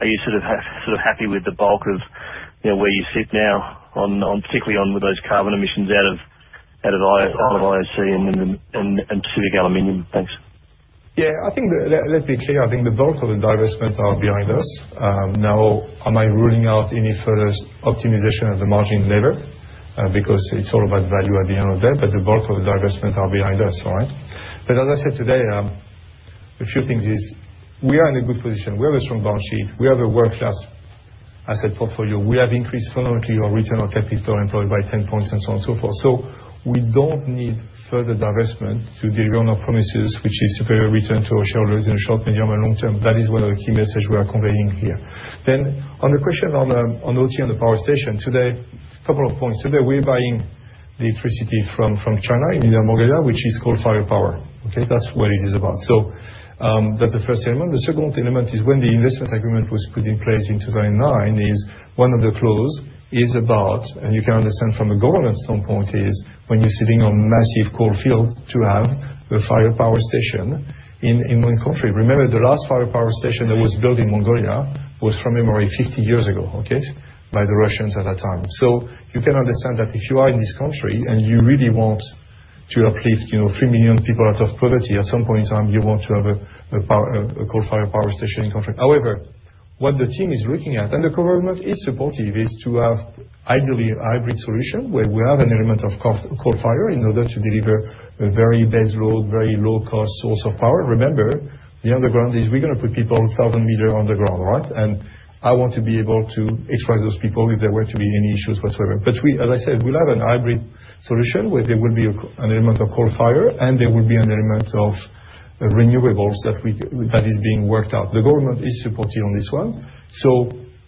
Are you sort of happy with the bulk of where you sit now, particularly with those carbon emissions out of IOC and Pacific Aluminium? Thanks. Yeah, let's be clear. I think the bulk of the divestments are behind us. Now, am I ruling out any further optimization of the margin? Never. Because it's all about value at the end of the day, but the bulk of the divestments are behind us. All right? As I said today, a few things is we are in a good position. We have a strong balance sheet. We have a world-class asset portfolio. We have increased fundamentally our return on capital employed by 10 points and so on and so forth. We don't need further divestment to deliver on our promises, which is superior return to our shareholders in the short, medium, and long term. That is one of the key messages we are conveying here. On the question on OT and the power station, today, a couple of points. Today, we're buying the electricity from China, in Inner Mongolia, which is coal-fired power. Okay? That's what it is about. That's the first element. The second element is when the investment agreement was put in place in 2009, is one of the clause is about, and you can understand from the government standpoint is, when you're sitting on massive coal field to have a fire power station in one country. Remember, the last fire power station that was built in Mongolia was from memory 50 years ago, okay? By the Russians at that time. You can understand that if you are in this country and you really want to uplift 3 million people out of poverty, at some point in time, you want to have a coal-fired power station in country. However, what the team is looking at, and the government is supportive, is to have ideally a hybrid solution where we have an element of coal fire in order to deliver a very base load, very low-cost source of power. Remember, the underground is we're going to put people 1,000 meter underground, right? I want to be able to extract those people if there were to be any issues whatsoever. As I said, we'll have a hybrid solution where there will be an element of coal fire and there will be an element of renewables that is being worked out. The government is supportive on this one.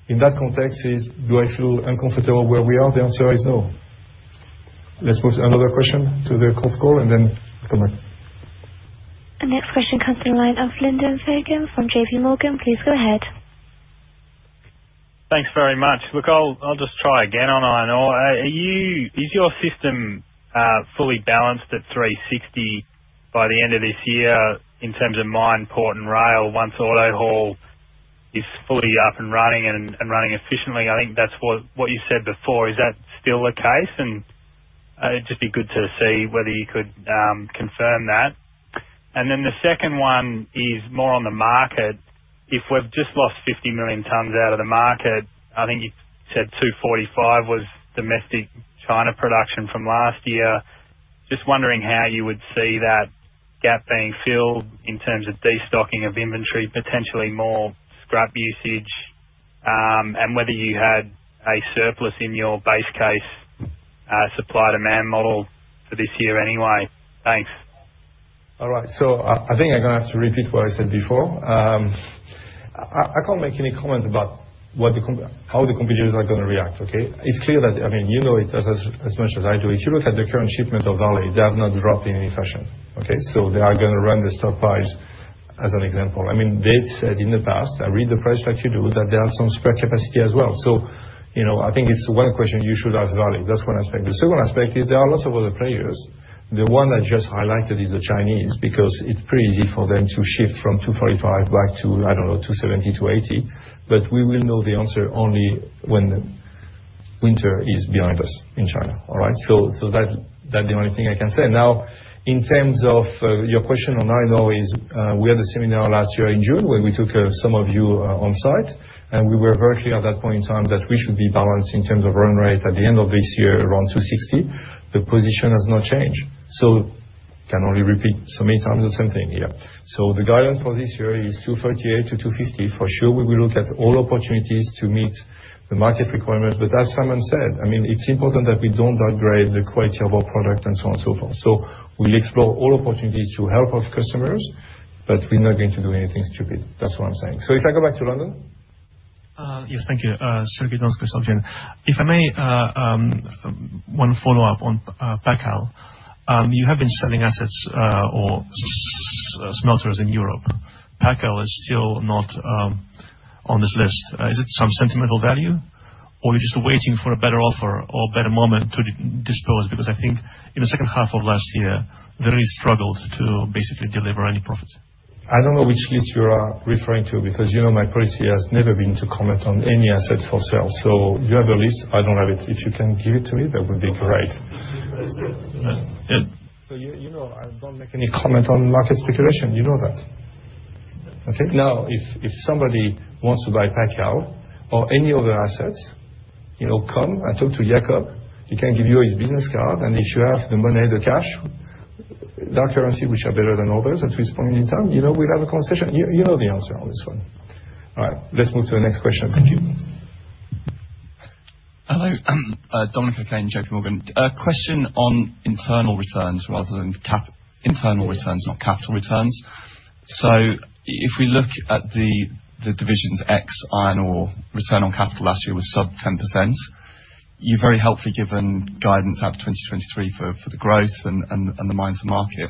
In that context is, do I feel uncomfortable where we are? The answer is no. Let's pose another question to the call and then come back. The next question comes from the line of Lyndon Fagan from JP Morgan. Please go ahead. Thanks very much. I'll just try again on iron ore. Is your system fully balanced at 360 by the end of this year in terms of mine port and rail, once AutoHaul is fully up and running and running efficiently? I think that's what you said before. Is that still the case? It'd just be good to see whether you could confirm that. The second one is more on the market. If we've just lost 50 million tons out of the market, I think you said 245 was domestic China production from last year. Just wondering how you would see that gap being filled in terms of destocking of inventory, potentially more scrap usage, and whether you had a surplus in your base case, supply-demand model for this year anyway. Thanks. All right. I think I'm going to have to repeat what I said before. I can't make any comment about how the competitors are going to react, okay? It's clear that, you know it as much as I do, if you look at the current shipment of Vale, they have not dropped in any fashion. Okay? They are going to run the stockpiles as an example. They said in the past, I read the press like you do, that there are some spare capacity as well. I think it's one question you should ask Vale. That's one aspect. The second aspect is there are lots of other players. The one I just highlighted is the Chinese, because it's pretty easy for them to shift from 245 back to, I don't know, 270, 280. We will know the answer only when winter is behind us in China. All right? That's the only thing I can say. Now, in terms of your question on iron ore is, we had a seminar last year in June where we took some of you on-site, and we were very clear at that point in time that we should be balanced in terms of run rate at the end of this year, around 260. The position has not changed. I can only repeat so many times the same thing here. The guidance for this year is 238-250. For sure, we will look at all opportunities to meet the market requirement. As Simon said, it's important that we don't downgrade the quality of our product and so on and so forth. We explore all opportunities to help our customers, but we're not going to do anything stupid. That's what I'm saying. If I go back to London. Yes. Thank you. Sergey Donskoy, Societe Generale. If I may, one follow-up on Pac Al. You have been selling assets or smelters in Europe. Pac Al is still not on this list. Is it some sentimental value or you're just waiting for a better offer or better moment to dispose? Because I think in the second half of last year, really struggled to basically deliver any profits. I don't know which list you are referring to, you know my policy has never been to comment on any asset for sale. You have a list, I don't have it. If you can give it to me, that would be great. You know I don't make any comment on market speculation. You know that. Okay. Now, if somebody wants to buy Pac Al or any other assets, come and talk to Jakob. He can give you his business card, and if you have the money, the cash, that currency, which are better than others at this point in time, we'll have a conversation. You know the answer on this one. All right. Let's move to the next question. Thank you. Hello. Dominic O'Kane, JP Morgan. A question on Internal returns, not capital returns. If we look at the divisions ex iron ore, return on capital last year was sub 10%. You've very helpfully given guidance out to 2023 for the growth and the mines to market.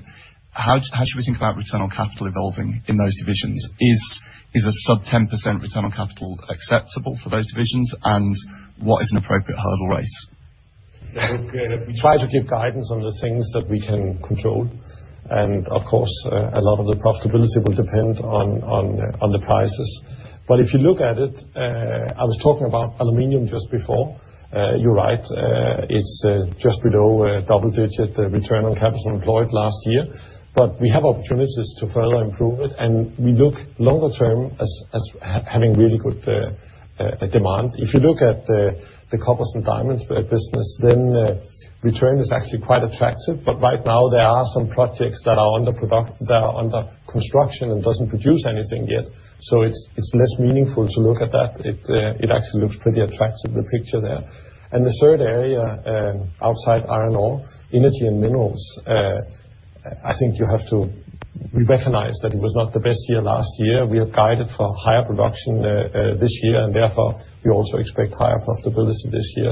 How should we think about return on capital evolving in those divisions? Is a sub 10% return on capital acceptable for those divisions? What is an appropriate hurdle rate? We try to give guidance on the things that we can control. Of course, a lot of the profitability will depend on the prices. If you look at it, I was talking about aluminum just before. You're right, it's just below a double-digit return on capital employed last year. We have opportunities to further improve it, and we look longer term as having really good demand. If you look at the copper and diamonds business, return is actually quite attractive. Right now there are some projects that are under construction and doesn't produce anything yet. It's less meaningful to look at that. It actually looks pretty attractive, the picture there. The third area, outside iron ore, energy and minerals, I think you have to recognize that it was not the best year last year. We have guided for higher production this year. Therefore we also expect higher profitability this year.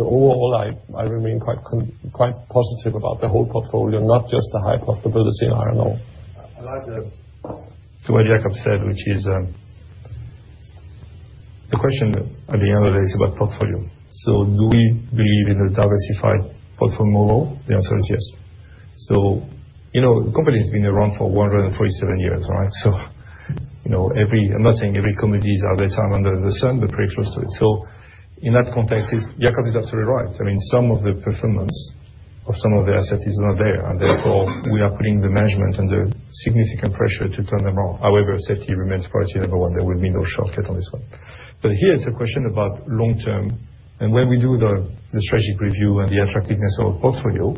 Overall, I remain quite positive about the whole portfolio, not just the high profitability in iron ore. I'll add to what Jakob said, which is, the question at the end of the day is about portfolio. Do we believe in a diversified portfolio model? The answer is yes. The company has been around for 147 years, right? I'm not saying every committee has had their time under the sun, but pretty close to it. In that context, Jakob is absolutely right. Some of the performance of some of the assets is not there, and therefore we are putting the management under significant pressure to turn them around. However, safety remains priority number one. There will be no shortcut on this one. Here it's a question about long-term, and when we do the strategic review and the attractiveness of a portfolio,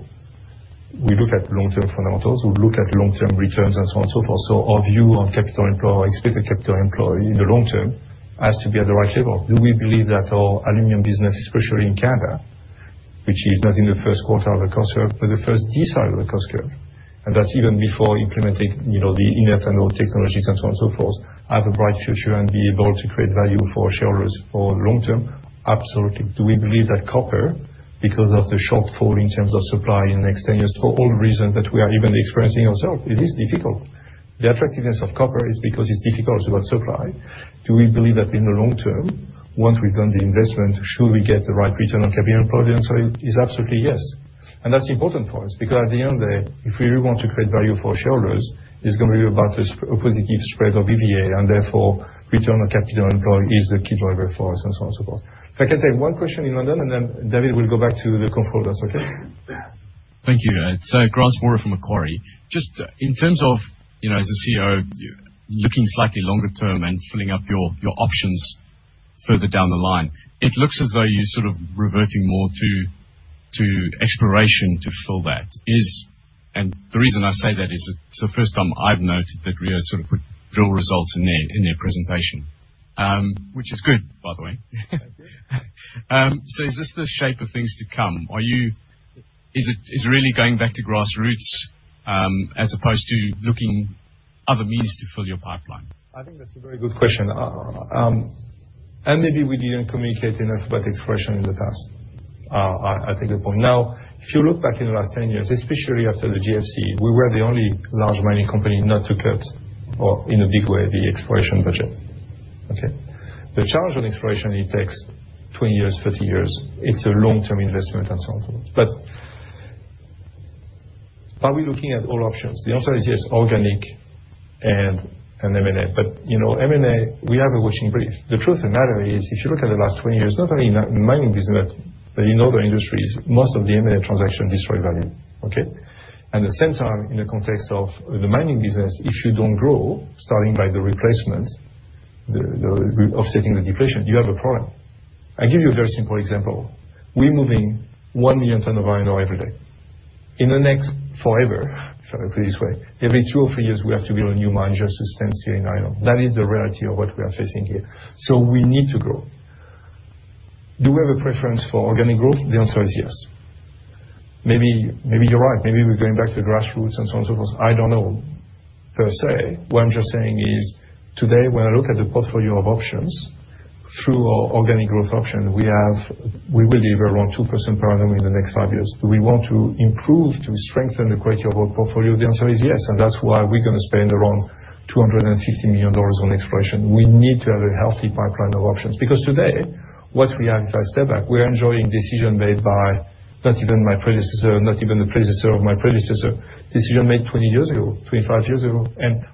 we look at long-term fundamentals, we look at long-term returns, and so on and so forth. Our view on capital employed or expected capital employed in the long term has to be at the right level. Do we believe that our aluminum business, especially in Canada, which is not in the first quarter of the cost curve, but the first decile of the cost curve, and that's even before implementing the inert anode technologies and so on and so forth, have a bright future and be able to create value for shareholders for long term? Absolutely. Do we believe that copper, because of the shortfall in terms of supply in the next 10 years, for all the reasons that we are even experiencing ourselves, it is difficult. The attractiveness of copper is because it's difficult about supply. Do we believe that in the long term, once we've done the investment, should we get the right return on capital employed? The answer is absolutely yes. That's important for us because at the end of the day, if we really want to create value for our shareholders, it's going to be about a positive spread of EVA, therefore return on capital employed is the key driver for us, and so on and so forth. If I can take one question in London, then David, we'll go back to the conference, okay? Thank you. It's Grant Moors from Macquarie. Just in terms of, as a CEO, looking slightly longer term and filling up your options- Further down the line, it looks as though you're reverting more to exploration to fill that. The reason I say that is it's the first time I've noted that Rio put drill results in their presentation. Which is good, by the way. Is this the shape of things to come? Is really going back to grassroots, as opposed to looking other means to fill your pipeline? I think that's a very good question. Maybe we didn't communicate enough about exploration in the past. I take the point. If you look back in the last 10 years, especially after the GFC, we were the only large mining company not to cut, or in a big way, the exploration budget. The challenge with exploration, it takes 20 years, 30 years. It's a long-term investment and so on. Are we looking at all options? The answer is yes, organic and M&A. M&A, we have a watching brief. The truth of the matter is, if you look at the last 20 years, not only in the mining business but in other industries, most of the M&A transactions destroy value. At the same time, in the context of the mining business, if you don't grow, starting by the replacement, offsetting the depletion, you have a problem. I give you a very simple example. We're moving 1 million tons of iron ore every day. In the next forever, if I put it this way, every two or three years, we have to build a new mine just to stay in iron ore. That is the reality of what we are facing here. We need to grow. Do we have a preference for organic growth? The answer is yes. Maybe you're right, maybe we're going back to grassroots and so on and so forth. I don't know per se. What I'm just saying is, today, when I look at the portfolio of options through our organic growth option, we will deliver around 2% per annum in the next five years. Do we want to improve, to strengthen the quality of our portfolio? The answer is yes. That's why we're going to spend around $250 million on exploration. We need to have a healthy pipeline of options. Today, what we have, if I step back, we are enjoying decision made by not even my predecessor, not even the predecessor of my predecessor. Decision made 20 years ago, 25 years ago.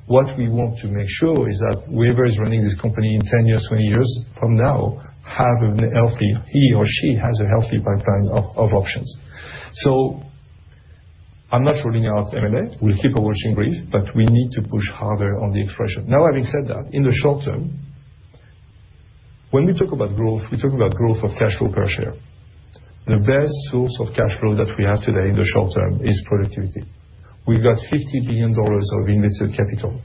What we want to make sure is that whoever is running this company in 10 years, 20 years from now, he or she has a healthy pipeline of options. I'm not ruling out M&A. We'll keep a watching brief. We need to push harder on the exploration. Having said that, in the short term, when we talk about growth, we talk about growth of cashflow per share. The best source of cashflow that we have today in the short term is productivity. We've got $50 billion of invested capital.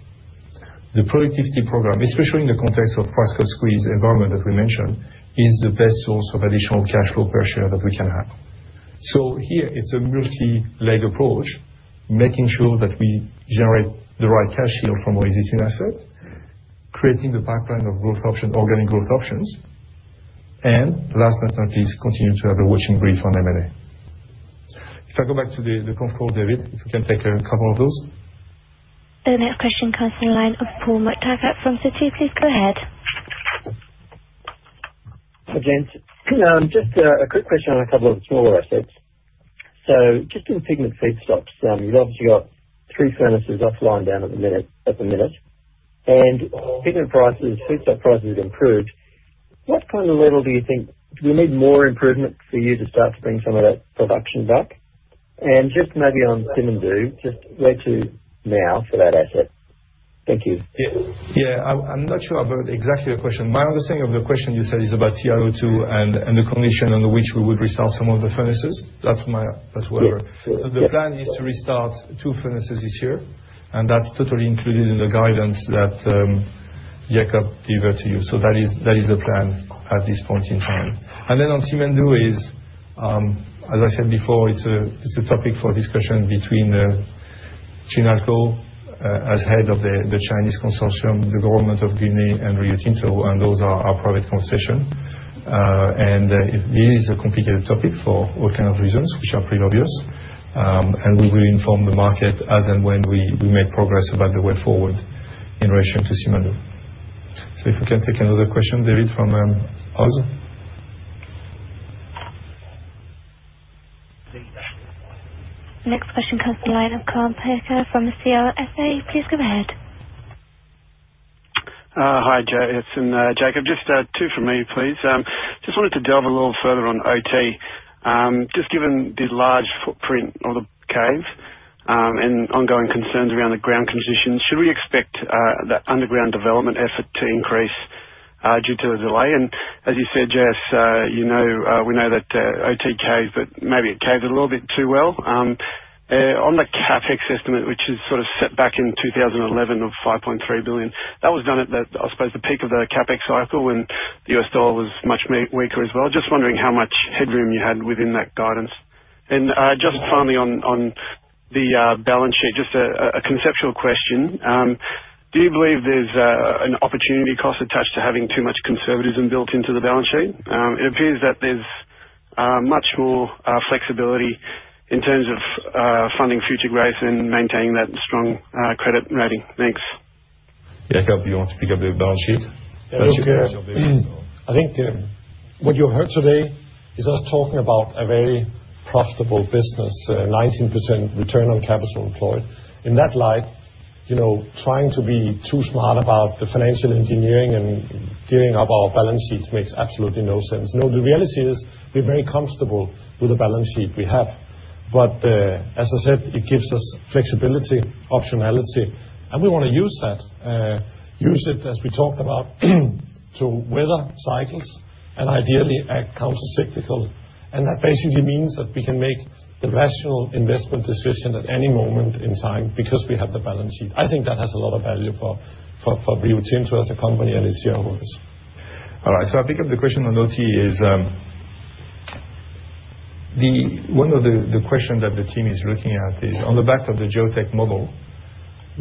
The productivity program, especially in the context of price squeeze environment that we mentioned, is the best source of additional cashflow per share that we can have. Here it's a multi-leg approach, making sure that we generate the right cash yield from our existing assets, creating the pipeline of growth options, organic growth options, and last but not least, continue to have a watching brief on M&A. If I go back to the control, David, if we can take a couple of those. The next question comes from the line of Paul McTaggart from Citi. Please go ahead. Hi, gents. Just a quick question on a couple of the smaller assets. Just on pigment feedstocks, you've obviously got three furnaces offline down at the minute. Pigment prices, feedstock prices improved. What kind of level do you think Do we need more improvement for you to start to bring some of that production back? Just maybe on Simandou, just where to now for that asset? Thank you. I'm not sure I've heard exactly your question. My understanding of the question you said is about TiO2 and the condition under which we would restart some of the furnaces. That's where we are. Yes. The plan is to restart two furnaces this year, and that's totally included in the guidance that Jakob gave out to you. That is the plan at this point in time. On Simandou is, as I said before, it's a topic for discussion between Chinalco, as head of the Chinese consortium, the government of Guinea, and Rio Tinto, and those are our private conversation. It is a complicated topic for all kind of reasons, which are pretty obvious. We will inform the market as and when we make progress about the way forward in relation to Simandou. If we can take another question, David, from Oz. Next question comes to the line of Carl Parker from CLSA. Please go ahead. Hi, Jacques and Jakob. Just two from me, please. Just wanted to delve a little further on OT. Given the large footprint of the caves, and ongoing concerns around the ground conditions, should we expect that underground development effort to increase due to the delay? As you said, Jacques, we know that OT caved, but maybe it caved a little bit too well. On the CapEx estimate, which is set back in 2011 of $5.3 billion. That was done at the, I suppose, the peak of the CapEx cycle when the US dollar was much weaker as well. Just wondering how much headroom you had within that guidance. Just finally on the balance sheet, just a conceptual question. Do you believe there's an opportunity cost attached to having too much conservatism built into the balance sheet? It appears that there's much more flexibility in terms of funding future growth and maintaining that strong credit rating. Thanks. Jakob, you want to pick up the balance sheet? Look I think what you heard today is us talking about a very profitable business, a 19% return on capital employed. In that light, trying to be too smart about the financial engineering and gearing up our balance sheets makes absolutely no sense. No, the reality is we're very comfortable with the balance sheet we have. As I said, it gives us flexibility, optionality, and we want to use that. Use it as we talked about, to weather cycles and ideally act counter cyclical. That basically means that we can make the rational investment decision at any moment in time because we have the balance sheet. I think that has a lot of value for Rio Tinto as a company and its shareholders. I pick up the question on OT is, one of the questions that the team is looking at is on the back of the geotech model,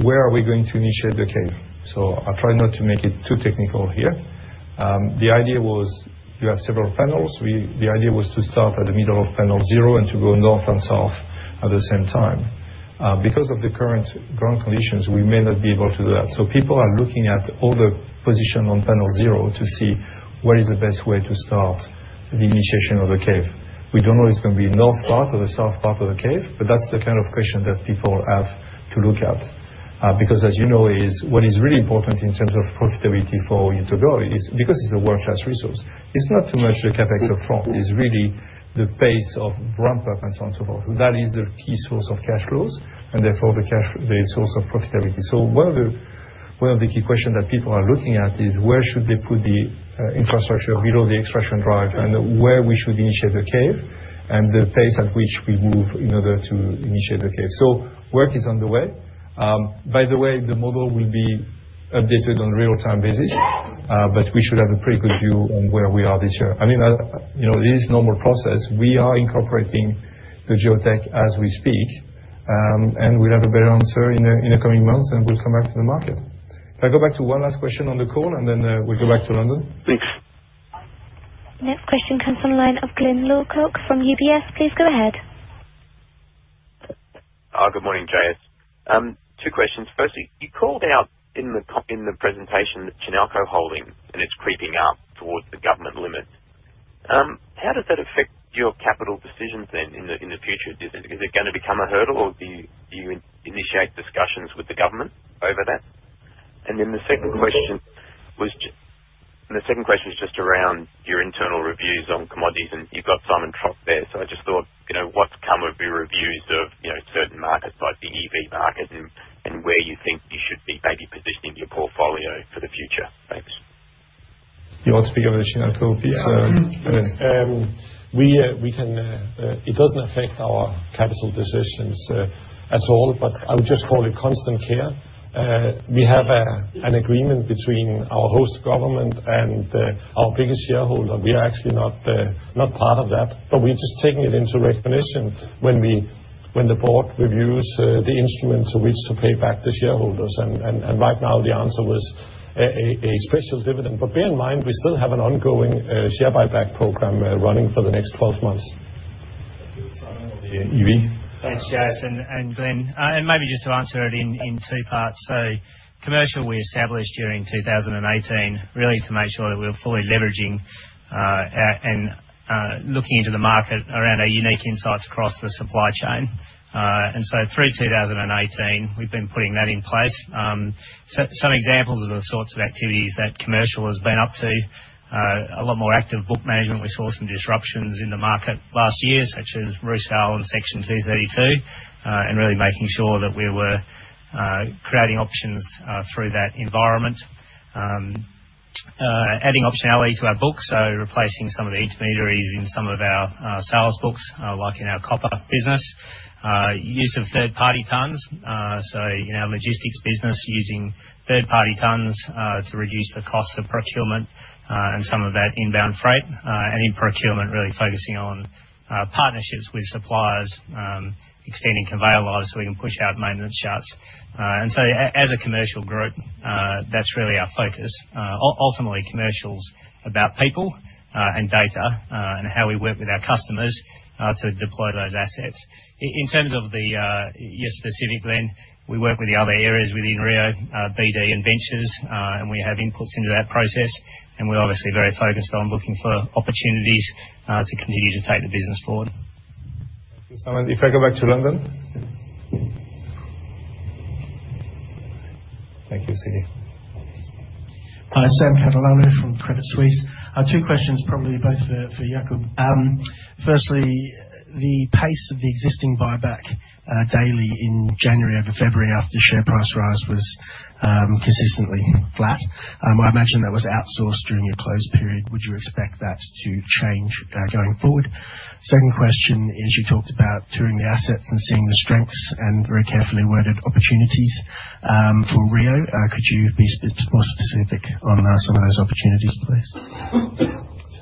where are we going to initiate the cave? I'll try not to make it too technical here. The idea was you have several panels. The idea was to start at the middle of panel 0 and to go north and south at the same time. Because of the current ground conditions, we may not be able to do that. People are looking at other position on panel 0 to see what is the best way to start the initiation of the cave. We don't know it's going to be north part or the south part of the cave, but that's the kind of question that people have to look at. As you know, what is really important in terms of profitability for you to go is because it's a world-class resource. It's not too much the CapEx up front. It's really the pace of ramp up and so on, so forth. That is the key source of cash flows and therefore the source of profitability. One of the key questions that people are looking at is where should they put the infrastructure below the extraction drive and where we should initiate the cave and the pace at which we move in order to initiate the cave. Work is underway. By the way, the model will be updated on real-time basis, but we should have a pretty good view on where we are this year. It is normal process. We are incorporating the geotech as we speak, and we'll have a better answer in the coming months, and we'll come back to the market. Can I go back to one last question on the call and then we go back to London? Thanks. Next question comes from line of Glyn Lawcock from UBS. Please go ahead. Good morning, J.S. Two questions. Firstly, you called out in the presentation the Chinalco holding, it's creeping up towards the government limit. How does that affect your capital decisions in the future? Is it going to become a hurdle or do you initiate discussions with the government over that? The second question is just around your internal reviews on commodities, you've got Simon Trott there. I just thought, what's come of your reviews of certain markets like the EV market and where you think you should be maybe positioning your portfolio for the future? Thanks. You want to speak about the Chinalco piece? Yeah. It doesn't affect our capital decisions at all, I would just call it constant care. We have an agreement between our host government and our biggest shareholder. We are actually not part of that, but we're just taking it into recognition when the board reviews the instrument to which to pay back the shareholders. Right now the answer was a special dividend. Bear in mind, we still have an ongoing share buyback program running for the next 12 months. Thank you. Simon, on the EV. Thanks, J.S. and Glyn. Maybe just to answer it in two parts. Commercial we established during 2018, really to make sure that we were fully leveraging and looking into the market around our unique insights across the supply chain. Through 2018, we've been putting that in place. Some examples of the sorts of activities that commercial has been up to, a lot more active book management. We saw some disruptions in the market last year, such as Rusal and Section 232, and really making sure that we were creating options through that environment. Adding optionality to our book, so replacing some of the intermediaries in some of our sales books, like in our copper business. Use of third-party tons. In our logistics business, using third-party tons to reduce the cost of procurement and some of that inbound freight. In procurement, really focusing on partnerships with suppliers, extending conveyor lives so we can push out maintenance charts. As a commercial group, that's really our focus. Ultimately, commercial's about people and data, and how we work with our customers to deploy those assets. In terms of your specific lens, we work with the other areas within Rio, BD, and Ventures, and we have inputs into that process, and we're obviously very focused on looking for opportunities to continue to take the business forward. Thank you, Simon. If I go back to London. Thank you, Sydney. Hi, Sam Catalano from Credit Suisse. Two questions, probably both for Jakob. Firstly, the pace of the existing buyback daily in January over February after share price rise was consistently flat. I imagine that was outsourced during your close period. Would you expect that to change going forward? Second question is, you talked about touring the assets and seeing the strengths and very carefully worded opportunities for Rio. Could you be more specific on some of those opportunities, please?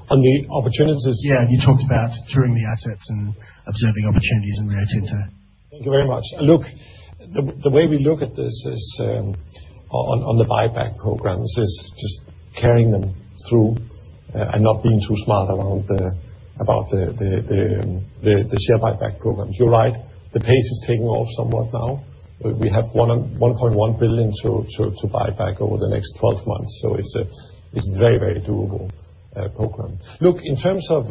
On the opportunities? Yeah. You talked about touring the assets and observing opportunities in Rio Tinto. Thank you very much. Look, the way we look at this is, on the buyback programs, is just carrying them through and not being too smart about the share buyback programs. You're right, the pace is taking off somewhat now. We have $1.1 billion to buy back over the next 12 months, so it's a very doable program. Look, in terms of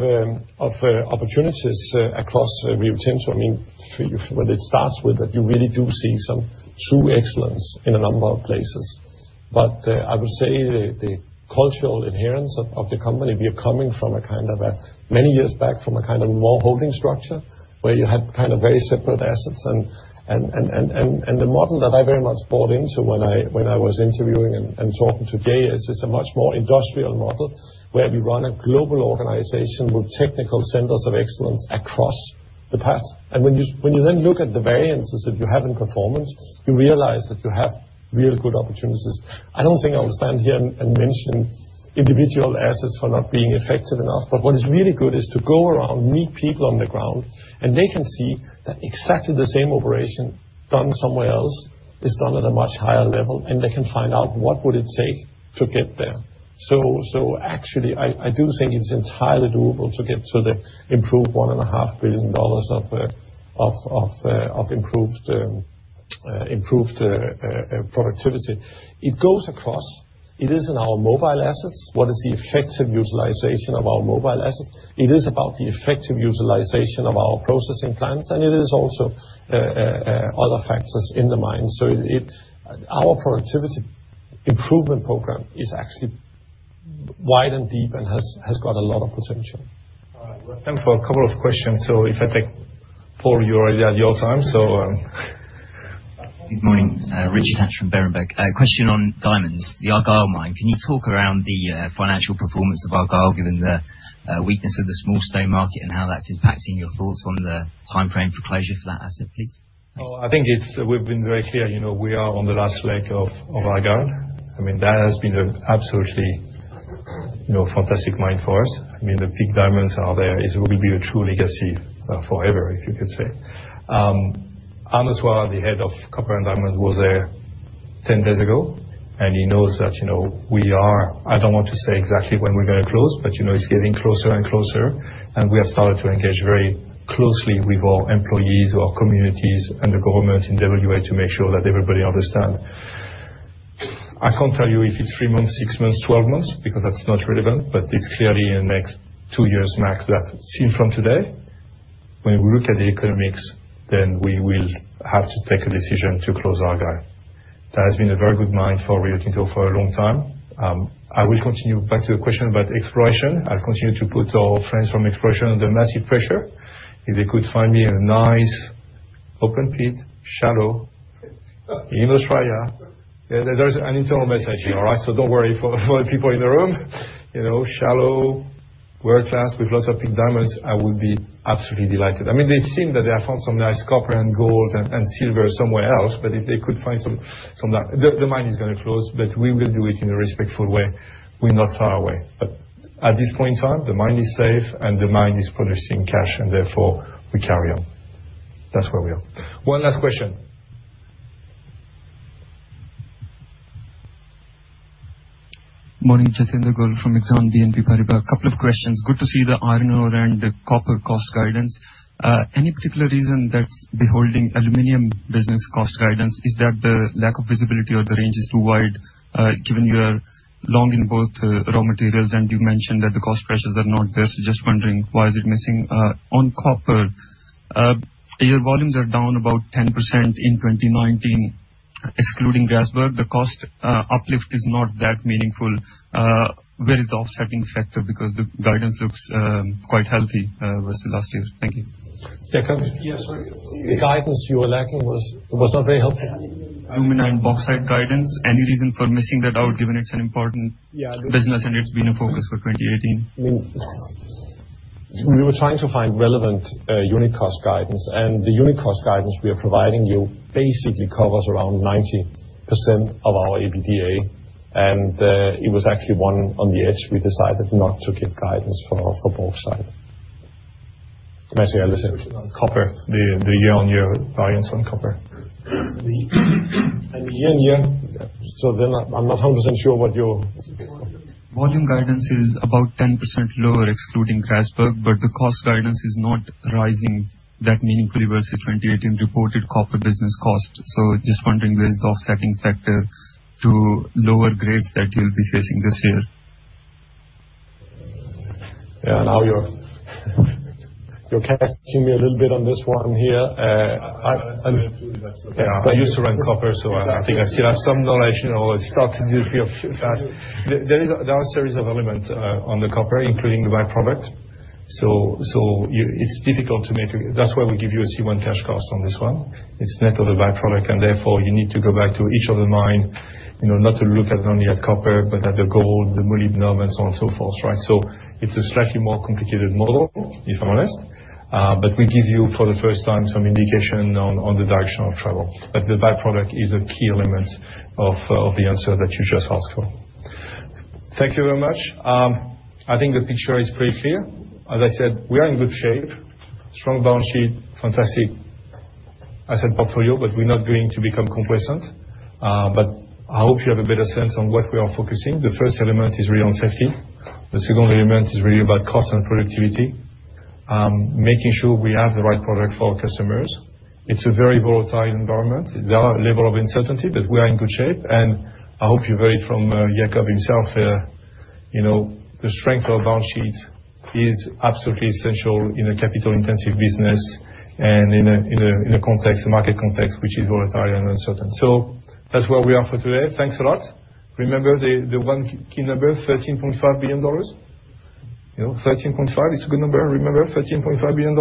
opportunities across Rio Tinto, what it starts with that you really do see some true excellence in a number of places. I would say the cultural adherence of the company, we are coming from, many years back, from a kind of law holding structure, where you had very separate assets. The model that I very much bought into when I was interviewing and talking to Gabe, is this a much more industrial model, where we run a global organization with technical centers of excellence across the path. When you then look at the variances that you have in performance, you realize that you have real good opportunities. I don't think I would stand here and mention individual assets for not being effective enough. What is really good is to go around, meet people on the ground, and they can see that exactly the same operation done somewhere else is done at a much higher level, and they can find out what would it take to get there. Actually, I do think it's entirely doable to get to the improved $1.5 billion of improved productivity. It goes across. It is in our mobile assets. What is the effective utilization of our mobile assets? It is about the effective utilization of our processing plants, and it is also other factors in the mine. Our productivity improvement program is actually wide and deep and has got a lot of potential. All right. We have time for a couple of questions. If I take Paul, you are already at your time. Good morning. Richard Hatch from Berenberg. A question on diamonds, the Argyle mine. Can you talk around the financial performance of Argyle, given the weakness of the small stone market and how that's impacting your thoughts on the timeframe for closure for that asset, please? Thanks. I think we've been very clear. We are on the last leg of Argyle. That has been an absolutely fantastic mine for us. The peak diamonds are there. It will be a true legacy forever, if you could say. Arnaud Soirat, the head of Copper & Diamonds, was there 10 days ago, and he knows that we are, I don't want to say exactly when we're going to close, but it's getting closer and closer, and we have started to engage very closely with our employees, our communities, and the government in W.A. to make sure that everybody understand. I can't tell you if it's three months, six months, 12 months, because that's not relevant, but it's clearly in the next two years max that, seen from today, when we look at the economics, we will have to take a decision to close Argyle. That has been a very good mine for Rio Tinto for a long time. Back to your question about exploration, I'll continue to put our friends from exploration under massive pressure. If they could find me a nice open pit, shallow in Australia. That is an internal message here, all right? Don't worry for the people in the room. Shallow, world-class with lots of big diamonds, I would be absolutely delighted. It seems that they have found some nice copper and gold and silver somewhere else. The mine is going to close, but we will do it in a respectful way. We're not far away. At this point in time, the mine is safe, and the mine is producing cash, and therefore, we carry on. That's where we are. One last question. Morning. Jatinder Gul from Exane BNP Paribas. A couple of questions. Good to see the iron ore and the copper cost guidance. Any particular reason that's beholding aluminum business cost guidance? Is that the lack of visibility or the range is too wide, given you are long in both raw materials and you mentioned that the cost pressures are not there? Just wondering, why is it missing? On copper, your volumes are down about 10% in 2019, excluding Grasberg. The cost uplift is not that meaningful. Where is the offsetting factor? The guidance looks quite healthy versus last year. Thank you. Jakob? Yes. Sorry. The guidance you are lacking was not very helpful. Aluminum bauxite guidance. Any reason for missing that out, given it's an important business and it's been a focus for 2018? We were trying to find relevant unit cost guidance. The unit cost guidance we are providing you basically covers around 90% of our EBITDA. It was actually one on the edge we decided not to give guidance for bauxite. Massimo, anything on copper? The year-on-year variance on copper. On year-on-year? I'm not 100% sure. Volume guidance is about 10% lower, excluding Grasberg, but the cost guidance is not rising that meaningfully versus 2018 reported copper business cost. Just wondering, where is the offsetting factor to lower grades that you'll be facing this year? You're questioning me a little bit on this one here. I used to run copper. I think I still have some knowledge. It's tough to give you a few facts. There are a series of elements on the copper, including the by-product. That's why we give you a C1 cash cost on this one. It's net of the by-product, therefore, you need to go back to each of the mine, not to look at only at copper, but at the gold, the molybdenum, and so on and so forth. It's a slightly more complicated model, if I'm honest. We give you, for the first time, some indication on the direction of travel. The by-product is a key element of the answer that you just asked for. Thank you very much. I think the picture is pretty clear. As I said, we are in good shape. Strong balance sheet, fantastic asset portfolio, we're not going to become complacent. I hope you have a better sense on what we are focusing. The first element is really on safety. The second element is really about cost and productivity. Making sure we have the right product for our customers. It's a very volatile environment. There are a level of uncertainty, we are in good shape, I hope you've heard it from Jakob himself. The strength of our balance sheet is absolutely essential in a capital-intensive business and in a market context which is volatile and uncertain. That's where we are for today. Thanks a lot. Remember the one key number, $13.5 billion. 13.5 is a good number. Remember $13.5 billion.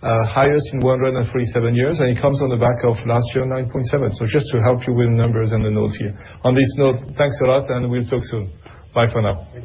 Highest in 137 years, it comes on the back of last year, $9.7 billion. Just to help you with numbers and the notes here. On this note, thanks a lot, and we'll talk soon. Bye for now.